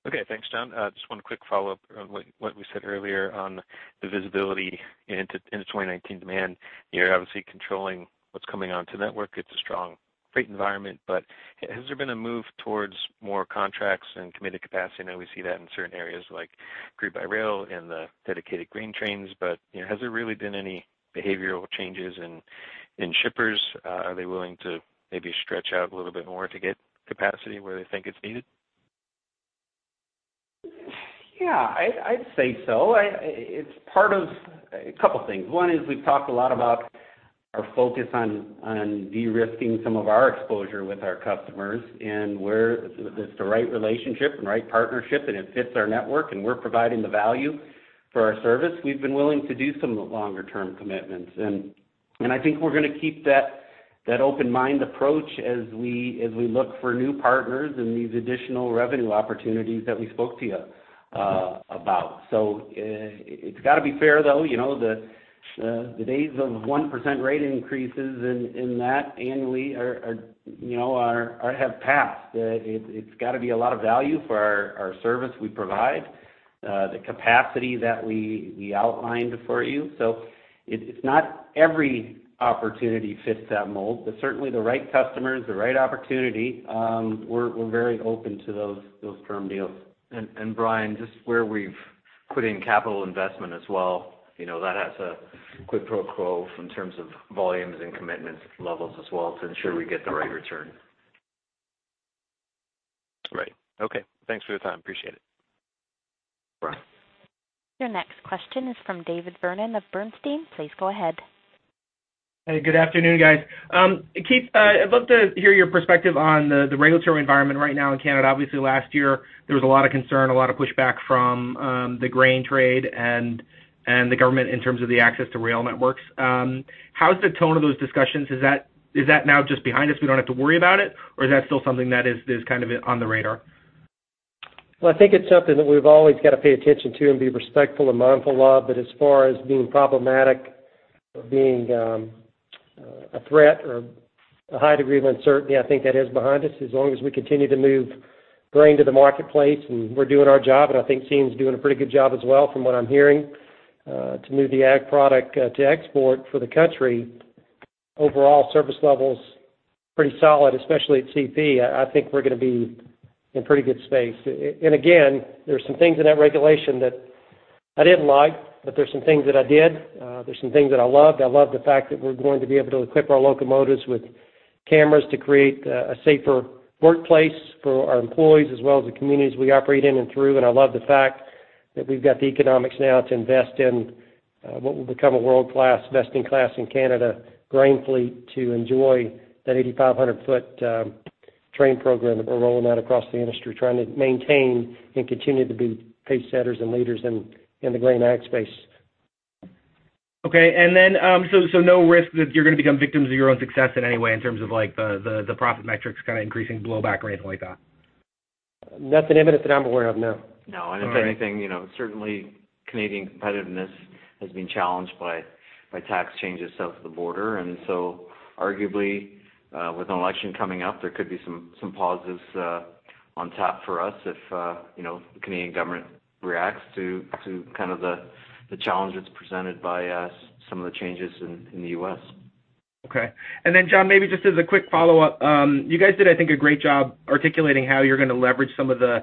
Okay. Thanks, John. Just one quick follow-up on what we said earlier on the visibility into 2019 demand. You're obviously controlling what's coming onto the network. It's a strong freight environment. But has there been a move towards more contracts and committed capacity? I know we see that in certain areas like Crude by Rail and the dedicated grain trains. But has there really been any behavioral changes in shippers? Are they willing to maybe stretch out a little bit more to get capacity where they think it's needed? Yeah. I'd say so. It's part of a couple of things. One is we've talked a lot about our focus on de-risking some of our exposure with our customers. And if it's the right relationship and right partnership, and it fits our network, and we're providing the value for our service, we've been willing to do some longer-term commitments. And I think we're going to keep that open-minded approach as we look for new partners and these additional revenue opportunities that we spoke to you about. So it's got to be fair, though. The days of 1% rate increases in that annually have passed. It's got to be a lot of value for our service we provide, the capacity that we outlined for you. So it's not every opportunity fits that mold, but certainly, the right customers, the right opportunity, we're very open to those term deals. Brian, just where we've put in capital investment as well, that has a quid pro quo in terms of volumes and commitment levels as well to ensure we get the right return. Right. Okay. Thanks for your time. Appreciate it. Brian. Your next question is from David Vernon of Bernstein. Please go ahead. Hey. Good afternoon, guys. Keith, I'd love to hear your perspective on the regulatory environment right now in Canada. Obviously, last year, there was a lot of concern, a lot of pushback from the grain trade and the government in terms of the access to rail networks. How's the tone of those discussions? Is that now just behind us? We don't have to worry about it, or is that still something that is kind of on the radar? Well, I think it's something that we've always got to pay attention to and be respectful and mindful of. But as far as being problematic or being a threat or a high degree of uncertainty, I think that is behind us. As long as we continue to move grain to the marketplace and we're doing our job, and I think CN's doing a pretty good job as well from what I'm hearing, to move the ag product to export for the country, overall, service level's pretty solid, especially at CP. I think we're going to be in pretty good shape. And again, there's some things in that regulation that I didn't like, but there's some things that I did. There's some things that I loved. I loved the fact that we're going to be able to equip our locomotives with cameras to create a safer workplace for our employees as well as the communities we operate in and through. I love the fact that we've got the economics now to invest in what will become a world-class, best-in-class in Canada grain fleet to enjoy that 8,500-ft train program that we're rolling out across the industry, trying to maintain and continue to be pace-setters and leaders in the grain ag space. Okay. No risk that you're going to become victims of your own success in any way in terms of the profit metrics kind of increasing, blowback, or anything like that? Nothing imminent that I'm aware of, no. No. I don't think anything. Certainly, Canadian competitiveness has been challenged by tax changes south of the border. And so arguably, with an election coming up, there could be some pauses on top for us if the Canadian government reacts to kind of the challenge that's presented by some of the changes in the U.S. Okay. And then, John, maybe just as a quick follow-up, you guys did, I think, a great job articulating how you're going to leverage some of the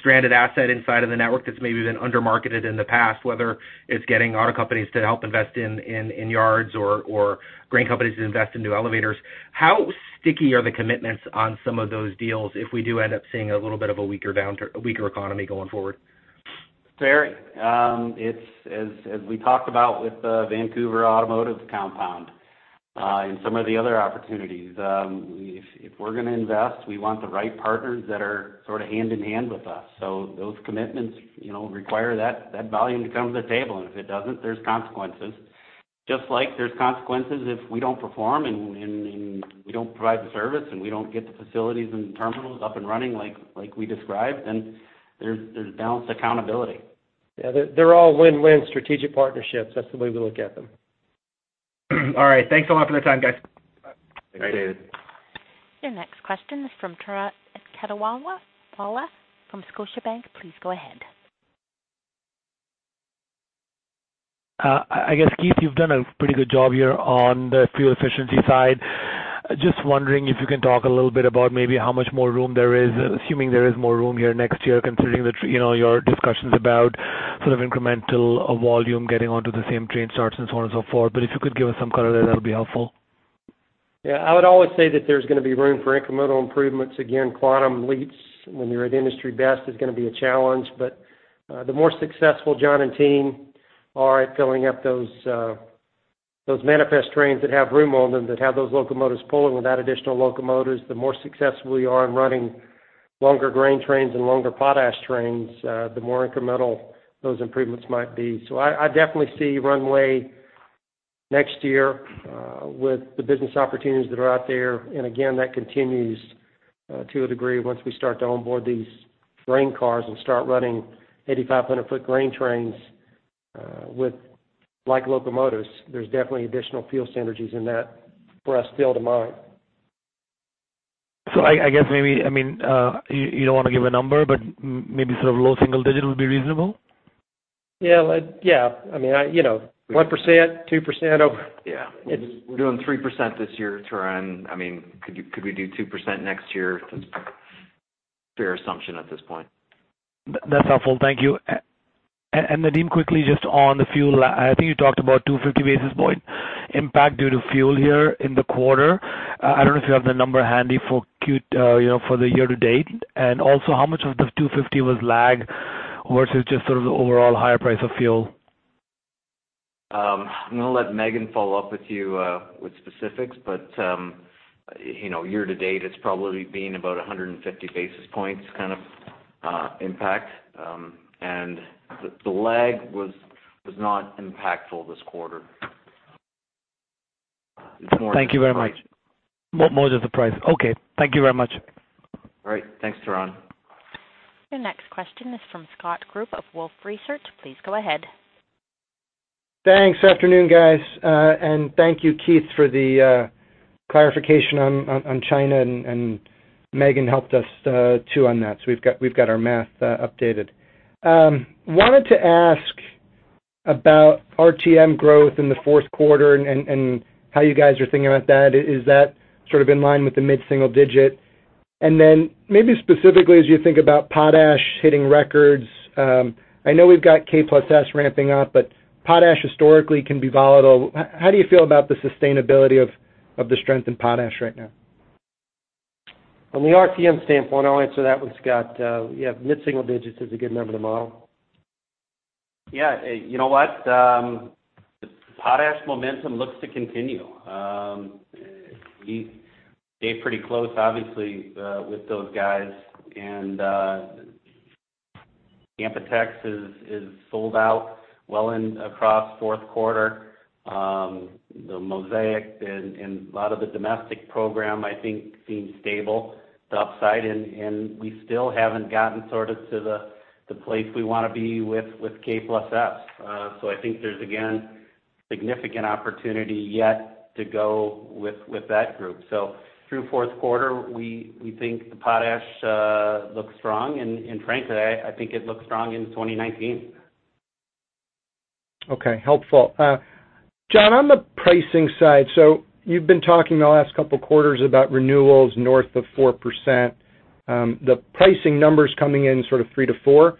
stranded asset inside of the network that's maybe been undermarketed in the past, whether it's getting auto companies to help invest in yards or grain companies to invest in new elevators. How sticky are the commitments on some of those deals if we do end up seeing a little bit of a weaker economy going forward? Fair. As we talked about with the Vancouver Automotive Compound and some of the other opportunities, if we're going to invest, we want the right partners that are sort of hand-in-hand with us. So those commitments require that volume to come to the table. And if it doesn't, there's consequences. Just like there's consequences if we don't perform and we don't provide the service and we don't get the facilities and terminals up and running like we described, then there's balanced accountability. Yeah. They're all win-win strategic partnerships. That's the way we look at them. All right. Thanks a lot for their time, guys. Thanks, David. Your next question is from Turan Quettawala from Scotiabank. Please go ahead. I guess, Keith, you've done a pretty good job here on the fuel efficiency side. Just wondering if you can talk a little bit about maybe how much more room there is, assuming there is more room here next year considering your discussions about sort of incremental volume getting onto the same train starts and so on and so forth. But if you could give us some color there, that'll be helpful. Yeah. I would always say that there's going to be room for incremental improvements. Again, quantum leaps when you're at industry best is going to be a challenge. But the more successful John and team are at filling up those manifest trains that have room on them, that have those locomotives pulling without additional locomotives, the more successful we are in running longer grain trains and longer potash trains, the more incremental those improvements might be. So I definitely see runway next year with the business opportunities that are out there. And again, that continues to a degree once we start to onboard these grain cars and start running 8,500-ft grain trains with like locomotives. There's definitely additional fuel synergies in that for us still to mine. So I guess maybe I mean, you don't want to give a number, but maybe sort of low single-digit would be reasonable? Yeah. Yeah. I mean, 1%, 2% over. Yeah. We're doing 3% this year, target. And I mean, could we do 2% next year? That's a fair assumption at this point. That's helpful. Thank you. And Nadeem, quickly just on the fuel, I think you talked about 250 basis points impact due to fuel here in the quarter. I don't know if you have the number handy for the year to date. And also, how much of the 250 was lag versus just sort of the overall higher price of fuel? I'm going to let Maeghan follow up with you with specifics. But year to date, it's probably been about 150 basis points kind of impact. And the lag was not impactful this quarter. It's more than price. Thank you very much. More than the price. Okay. Thank you very much. All right. Thanks, Turan. Your next question is from Scott Group of Wolfe Research. Please go ahead. Thanks. Afternoon, guys. And thank you, Keith, for the clarification on China. And Maeghan helped us too on that, so we've got our math updated. Wanted to ask about RTM growth in the fourth quarter and how you guys are thinking about that. Is that sort of in line with the mid-single digit? And then maybe specifically, as you think about potash hitting records, I know we've got K+S ramping up, but potash historically can be volatile. How do you feel about the sustainability of the strength in potash right now? From the RTM standpoint, I'll answer that with Scott. Yeah. Mid-single digit is a good number to model. Yeah. You know what? The potash momentum looks to continue. We stayed pretty close, obviously, with those guys. And Canpotex is sold out well across fourth quarter. Mosaic and a lot of the domestic program, I think, seems stable, the upside. And we still haven't gotten sort of to the place we want to be with K+S. So I think there's, again, significant opportunity yet to go with that group. So through fourth quarter, we think the potash looks strong. And frankly, I think it looks strong in 2019. Okay. Helpful. John, on the pricing side, so you've been talking the last couple of quarters about renewals north of 4%. The pricing numbers coming in sort of 3%-4%,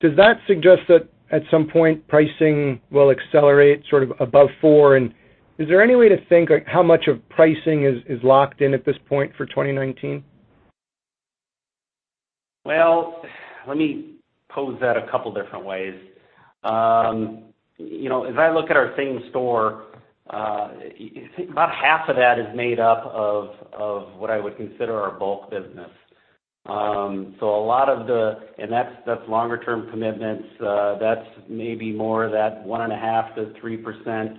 does that suggest that at some point, pricing will accelerate sort of above 4%? And is there any way to think how much of pricing is locked in at this point for 2019? Well, let me pose that a couple of different ways. As I look at our same-store, about half of that is made up of what I would consider our bulk business. So a lot of that, and that's longer-term commitments. That's maybe more of that 1.5%-3%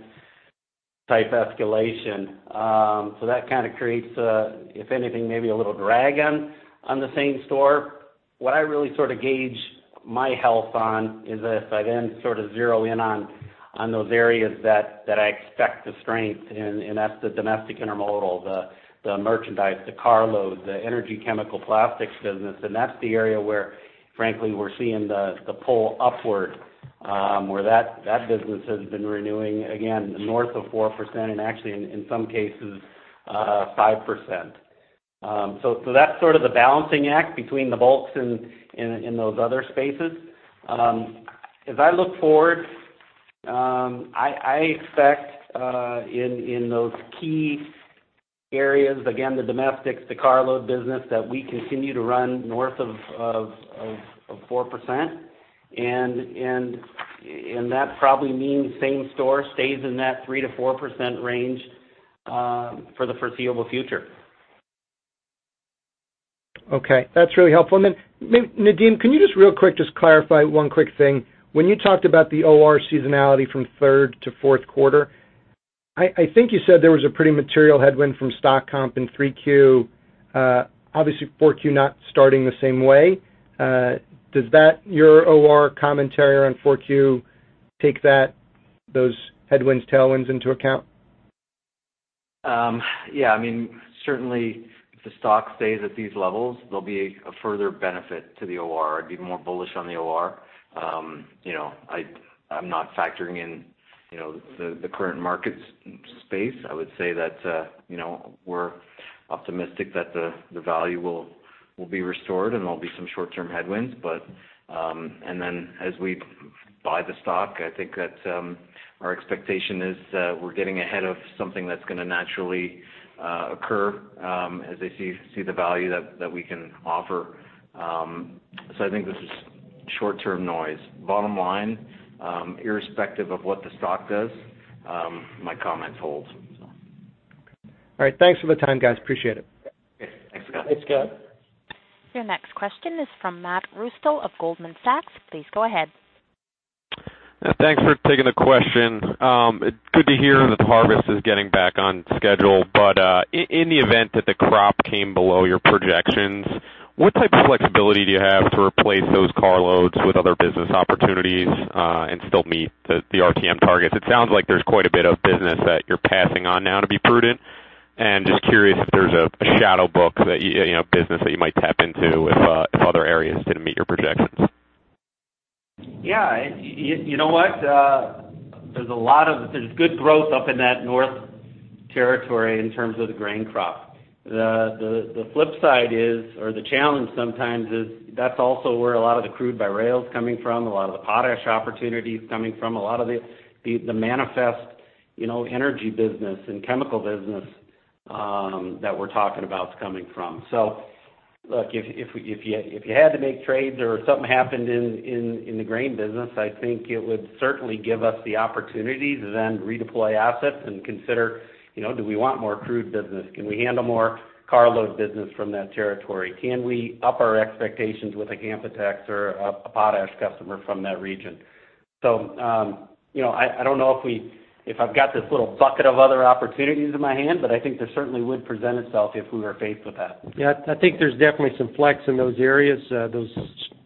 type escalation. So that kind of creates, if anything, maybe a little drag on the same-store. What I really sort of gauge my health on is if I then sort of zero in on those areas that I expect the strength. And that's the domestic intermodal, the merchandise, the carload, the energy, chemicals, plastics business. And that's the area where, frankly, we're seeing the pull upward where that business has been renewing, again, north of 4% and, actually, in some cases, 5%. So that's sort of the balancing act between the bulks and in those other spaces. As I look forward, I expect in those key areas, again, the domestics, the carload business, that we continue to run north of 4%. And that probably means same-store stays in that 3%-4% range for the foreseeable future. Okay. That's really helpful. And then, Nadeem, can you just real quick just clarify one quick thing? When you talked about the OR seasonality from third to fourth quarter, I think you said there was a pretty material headwind from stock comp in 3Q. Obviously, 4Q not starting the same way. Does your OR commentary on 4Q take those headwinds, tailwinds into account? Yeah. I mean, certainly, if the stock stays at these levels, there'll be a further benefit to the OR. I'd be more bullish on the OR. I'm not factoring in the current market space. I would say that we're optimistic that the value will be restored, and there'll be some short-term headwinds. And then as we buy the stock, I think that our expectation is we're getting ahead of something that's going to naturally occur as they see the value that we can offer. So I think this is short-term noise. Bottom line, irrespective of what the stock does, my comments hold, so. Okay. All right. Thanks for the time, guys. Appreciate it. Okay. Thanks, Scott. Thanks, Scott. Your next question is from Matt Reustle of Goldman Sachs. Please go ahead. Thanks for taking the question. Good to hear that the harvest is getting back on schedule. But in the event that the crop came below your projections, what type of flexibility do you have to replace those carloads with other business opportunities and still meet the RTM targets? It sounds like there's quite a bit of business that you're passing on now to be prudent. And just curious if there's a shadow book business that you might tap into if other areas didn't meet your projections. Yeah. You know what? There's a lot of good growth up in that north territory in terms of the grain crop. The flip side is or the challenge sometimes is that's also where a lot of the crude by rail's coming from, a lot of the potash opportunities coming from, a lot of the manifest energy business and chemical business that we're talking about's coming from. So look, if you had to make trades or something happened in the grain business, I think it would certainly give us the opportunity to then redeploy assets and consider, "Do we want more crude business? Can we handle more carload business from that territory? Can we up our expectations with a Canpotex or a potash customer from that region?" So I don't know if I've got this little bucket of other opportunities in my hand, but I think there certainly would present itself if we were faced with that. Yeah. I think there's definitely some flex in those areas, those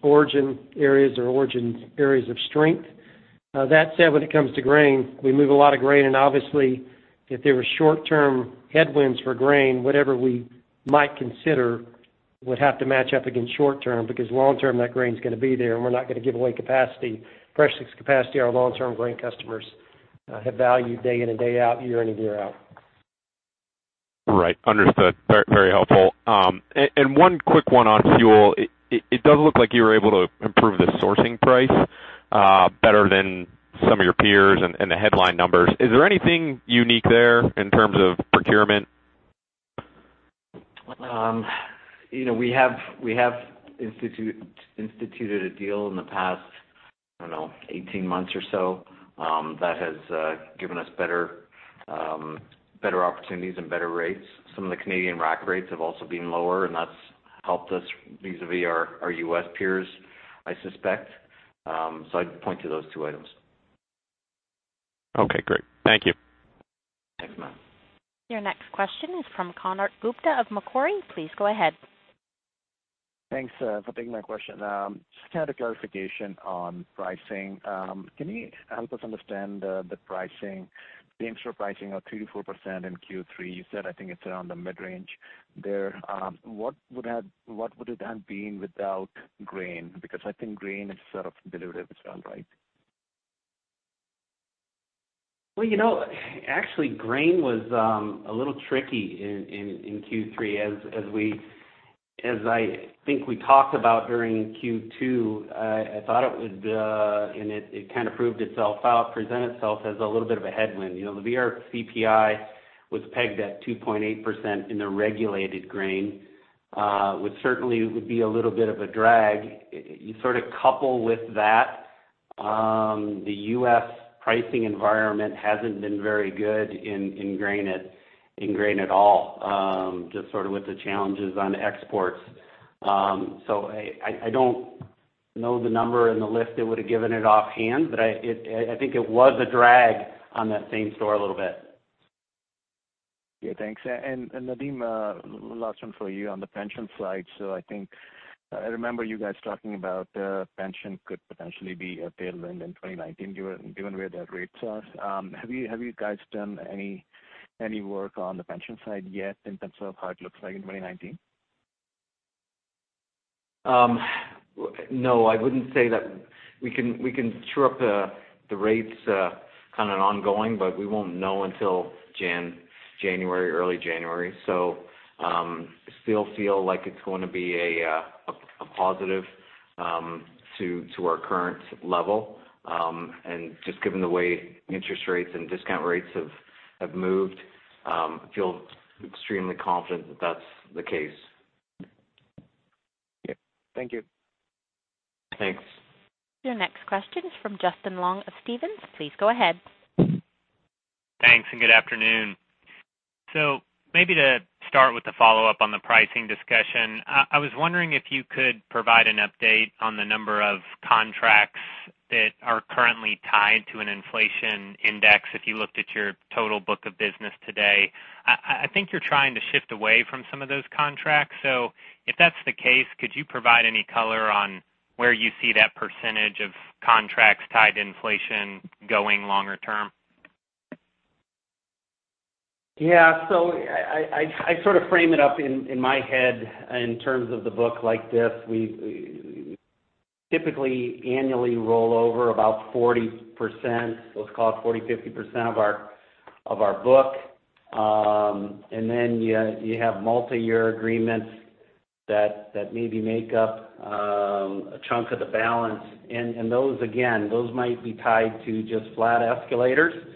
origin areas or origin areas of strength. That said, when it comes to grain, we move a lot of grain. And obviously, if there were short-term headwinds for grain, whatever we might consider would have to match up against short-term because long-term, that grain's going to be there, and we're not going to give away capacity. Freshly leased capacity our long-term grain customers have valued day in and day out, year in and year out. Right. Understood. Very helpful. And one quick one on fuel. It does look like you were able to improve the sourcing price better than some of your peers and the headline numbers. Is there anything unique there in terms of procurement? We have instituted a deal in the past, I don't know, 18 months or so that has given us better opportunities and better rates. Some of the Canadian rack rates have also been lower, and that's helped us vis-à-vis our U.S. peers, I suspect. So I'd point to those two items. Okay. Great. Thank you. Thanks, Matt. Your next question is from Konark Gupta of Macquarie. Please go ahead. Thanks for taking my question. Just kind of clarification on pricing. Can you help us understand the pricing? Same sort of pricing of 3%-4% in Q3. You said I think it's around the mid-range there. What would it have been without grain? Because I think grain is sort of diluted as well, right? Well, actually, grain was a little tricky in Q3. As I think we talked about during Q2, I thought it would and it kind of proved itself out, presented itself as a little bit of a headwind. The VRCPI was pegged at 2.8% in the regulated grain, which certainly would be a little bit of a drag. You sort of couple with that, the U.S. pricing environment hasn't been very good in grain at all, just sort of with the challenges on exports. So I don't know the number in the list that would have given it offhand, but I think it was a drag on that same-store a little bit. Yeah. Thanks. And Nadeem, last one for you on the pension side. So I remember you guys talking about pension could potentially be a tailwind in 2019 given where the rates are. Have you guys done any work on the pension side yet in terms of how it looks like in 2019? No. I wouldn't say that we can chew up the rates kind of ongoing, but we won't know until January, early January. So I still feel like it's going to be a positive to our current level. And just given the way interest rates and discount rates have moved, I feel extremely confident that that's the case. Yeah. Thank you. Thanks. Your next question is from Justin Long of Stephens. Please go ahead. Thanks. Good afternoon. Maybe to start with the follow-up on the pricing discussion, I was wondering if you could provide an update on the number of contracts that are currently tied to an inflation index if you looked at your total book of business today? I think you're trying to shift away from some of those contracts. If that's the case, could you provide any color on where you see that percentage of contracts tied to inflation going longer term? Yeah. So I sort of frame it up in my head in terms of the book like this. We typically annually roll over about 40%, let's call it 40%-50% of our book. And then you have multi-year agreements that maybe make up a chunk of the balance. And again, those might be tied to just flat escalators,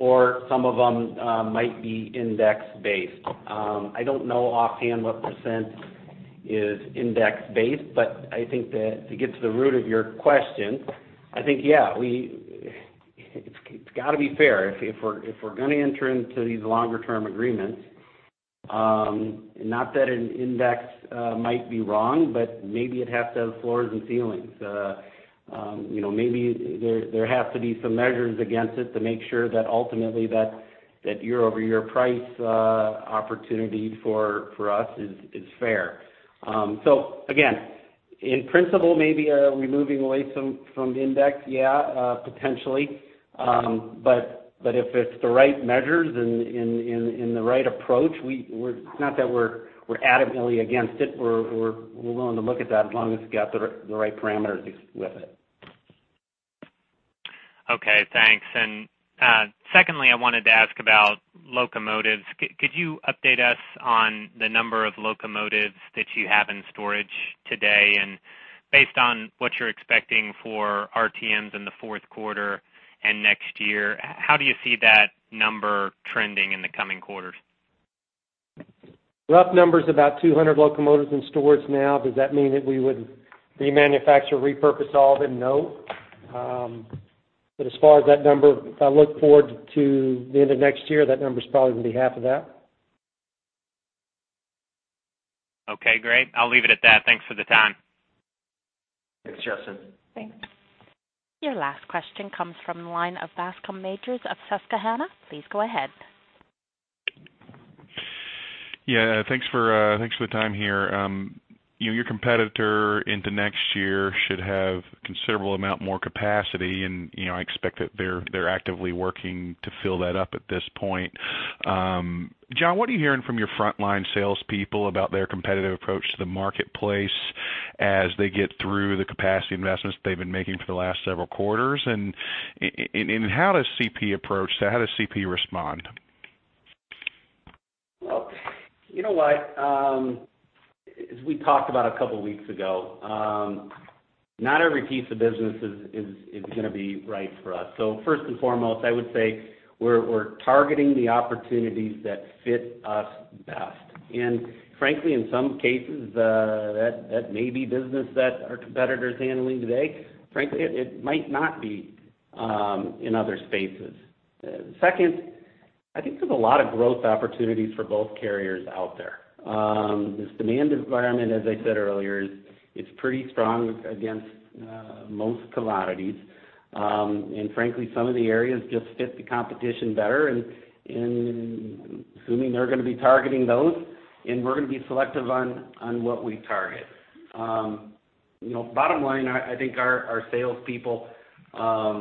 or some of them might be index-based. I don't know offhand what percent is index-based, but I think that to get to the root of your question, I think, yeah, it's got to be fair. If we're going to enter into these longer-term agreements, not that an index might be wrong, but maybe it has to have floors and ceilings. Maybe there have to be some measures against it to make sure that ultimately, that year-over-year price opportunity for us is fair. So again, in principle, maybe removing away from the index, yeah, potentially. But if it's the right measures and in the right approach, it's not that we're adamantly against it. We're willing to look at that as long as it's got the right parameters with it. Okay. Thanks. And secondly, I wanted to ask about locomotives. Could you update us on the number of locomotives that you have in storage today? And based on what you're expecting for RTMs in the fourth quarter and next year, how do you see that number trending in the coming quarters? Rough number's about 200 locomotives in storage now. Does that mean that we would remanufacture, repurpose all of them? No. But as far as that number, if I look forward to the end of next year, that number's probably going to be half of that. Okay. Great. I'll leave it at that. Thanks for the time. Thanks, Justin. Thanks. Your last question comes from the line of Bascome Majors of Susquehanna. Please go ahead. Yeah. Thanks for the time here. Your competitor into next year should have a considerable amount more capacity, and I expect that they're actively working to fill that up at this point. John, what are you hearing from your frontline salespeople about their competitive approach to the marketplace as they get through the capacity investments they've been making for the last several quarters? And how does CP approach that? How does CP respond? Well, you know what? As we talked about a couple of weeks ago, not every piece of business is going to be right for us. So first and foremost, I would say we're targeting the opportunities that fit us best. And frankly, in some cases, that may be business that our competitor's handling today. Frankly, it might not be in other spaces. Second, I think there's a lot of growth opportunities for both carriers out there. This demand environment, as I said earlier, is pretty strong against most commodities. And frankly, some of the areas just fit the competition better. And assuming they're going to be targeting those, and we're going to be selective on what we target. Bottom line, I think our salespeople are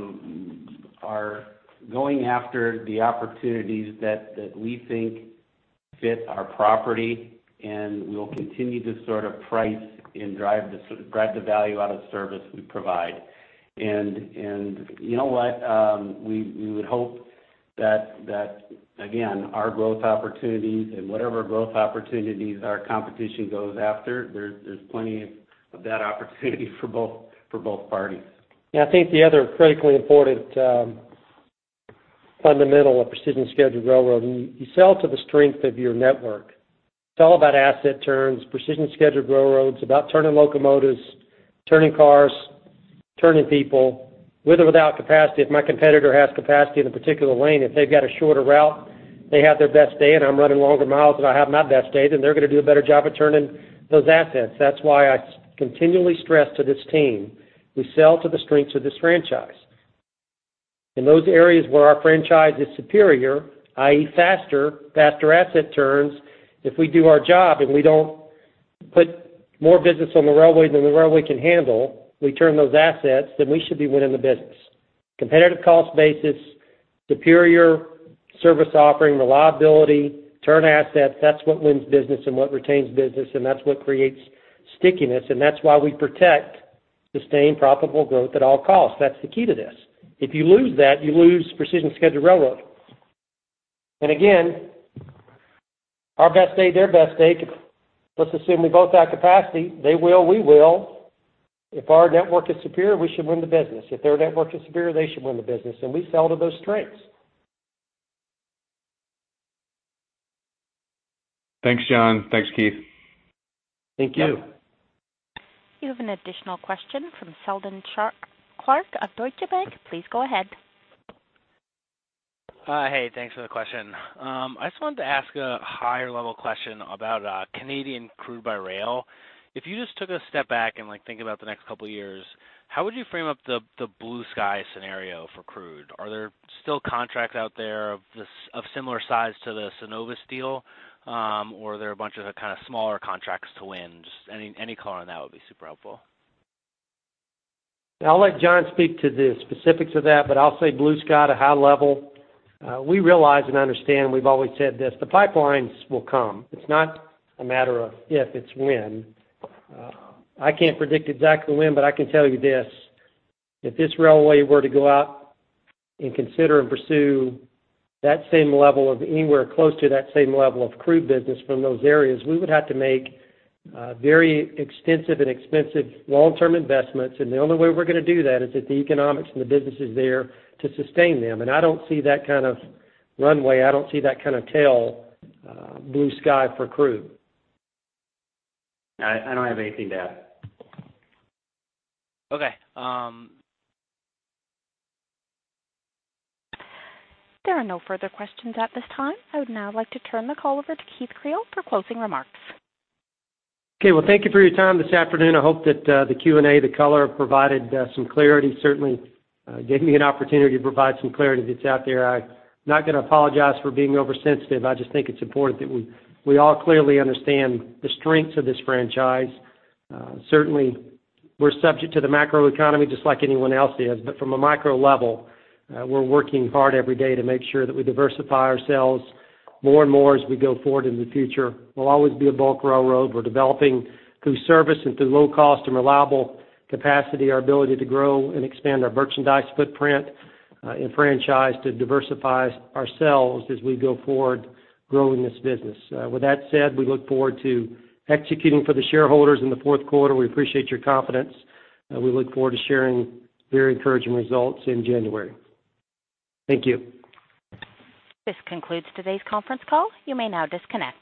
going after the opportunities that we think fit our property, and we'll continue to sort of price and drive the value out of the service we provide. And you know what? We would hope that, again, our growth opportunities and whatever growth opportunities our competition goes after, there's plenty of that opportunity for both parties. Yeah. I think the other critically important, fundamental of Precision-Scheduled Railroading, you sell to the strength of your network. It's all about asset turns. Precision-Scheduled Railroading's about turning locomotives, turning cars, turning people. With or without capacity, if my competitor has capacity in a particular lane, if they've got a shorter route, they have their best day, and I'm running longer miles, and I have my best day, then they're going to do a better job of turning those assets. That's why I continually stress to this team, "We sell to the strengths of this franchise." In those areas where our franchise is superior, i.e., faster, faster asset turns, if we do our job and we don't put more business on the railway than the railway can handle, we turn those assets, then we should be winning the business. Competitive cost basis, superior service offering, reliability, turn assets, that's what wins business and what retains business, and that's what creates stickiness. And that's why we protect sustained profitable growth at all costs. That's the key to this. If you lose that, you lose Precision-Scheduled Railroading. And again, our best day, their best day, let's assume we both have capacity. They will, we will. If our network is superior, we should win the business. If their network is superior, they should win the business. And we sell to those strengths. Thanks, John. Thanks, Keith. Thank you. You have an additional question from Seldon Clarke of Deutsche Bank. Please go ahead. Hey. Thanks for the question. I just wanted to ask a higher-level question about Canadian crude by rail. If you just took a step back and think about the next couple of years, how would you frame up the blue sky scenario for crude? Are there still contracts out there of similar size to the Cenovus deal, or are there a bunch of kind of smaller contracts to win? Just any color on that would be super helpful. I'll let John speak to the specifics of that, but I'll say, blue sky to high level. We realize and understand, and we've always said this, the pipelines will come. It's not a matter of if, it's when. I can't predict exactly when, but I can tell you this. If this railway were to go out and consider and pursue that same level of anywhere close to that same level of crude business from those areas, we would have to make very extensive and expensive long-term investments. And the only way we're going to do that is if the economics and the business is there to sustain them. And I don't see that kind of runway. I don't see that kind of tail, blue sky for crude. I don't have anything to add. Okay. There are no further questions at this time. I would now like to turn the call over to Keith Creel for closing remarks. Okay. Well, thank you for your time this afternoon. I hope that the Q&A, the color, provided some clarity. Certainly, gave me an opportunity to provide some clarity if it's out there. I'm not going to apologize for being oversensitive. I just think it's important that we all clearly understand the strengths of this franchise. Certainly, we're subject to the macroeconomy just like anyone else is. But from a micro level, we're working hard every day to make sure that we diversify ourselves more and more as we go forward in the future. We'll always be a bulk railroad. We're developing through service and through low-cost and reliable capacity, our ability to grow and expand our merchandise footprint and franchise to diversify ourselves as we go forward growing this business. With that said, we look forward to executing for the shareholders in the fourth quarter. We appreciate your confidence. We look forward to sharing very encouraging results in January. Thank you. This concludes today's conference call. You may now disconnect.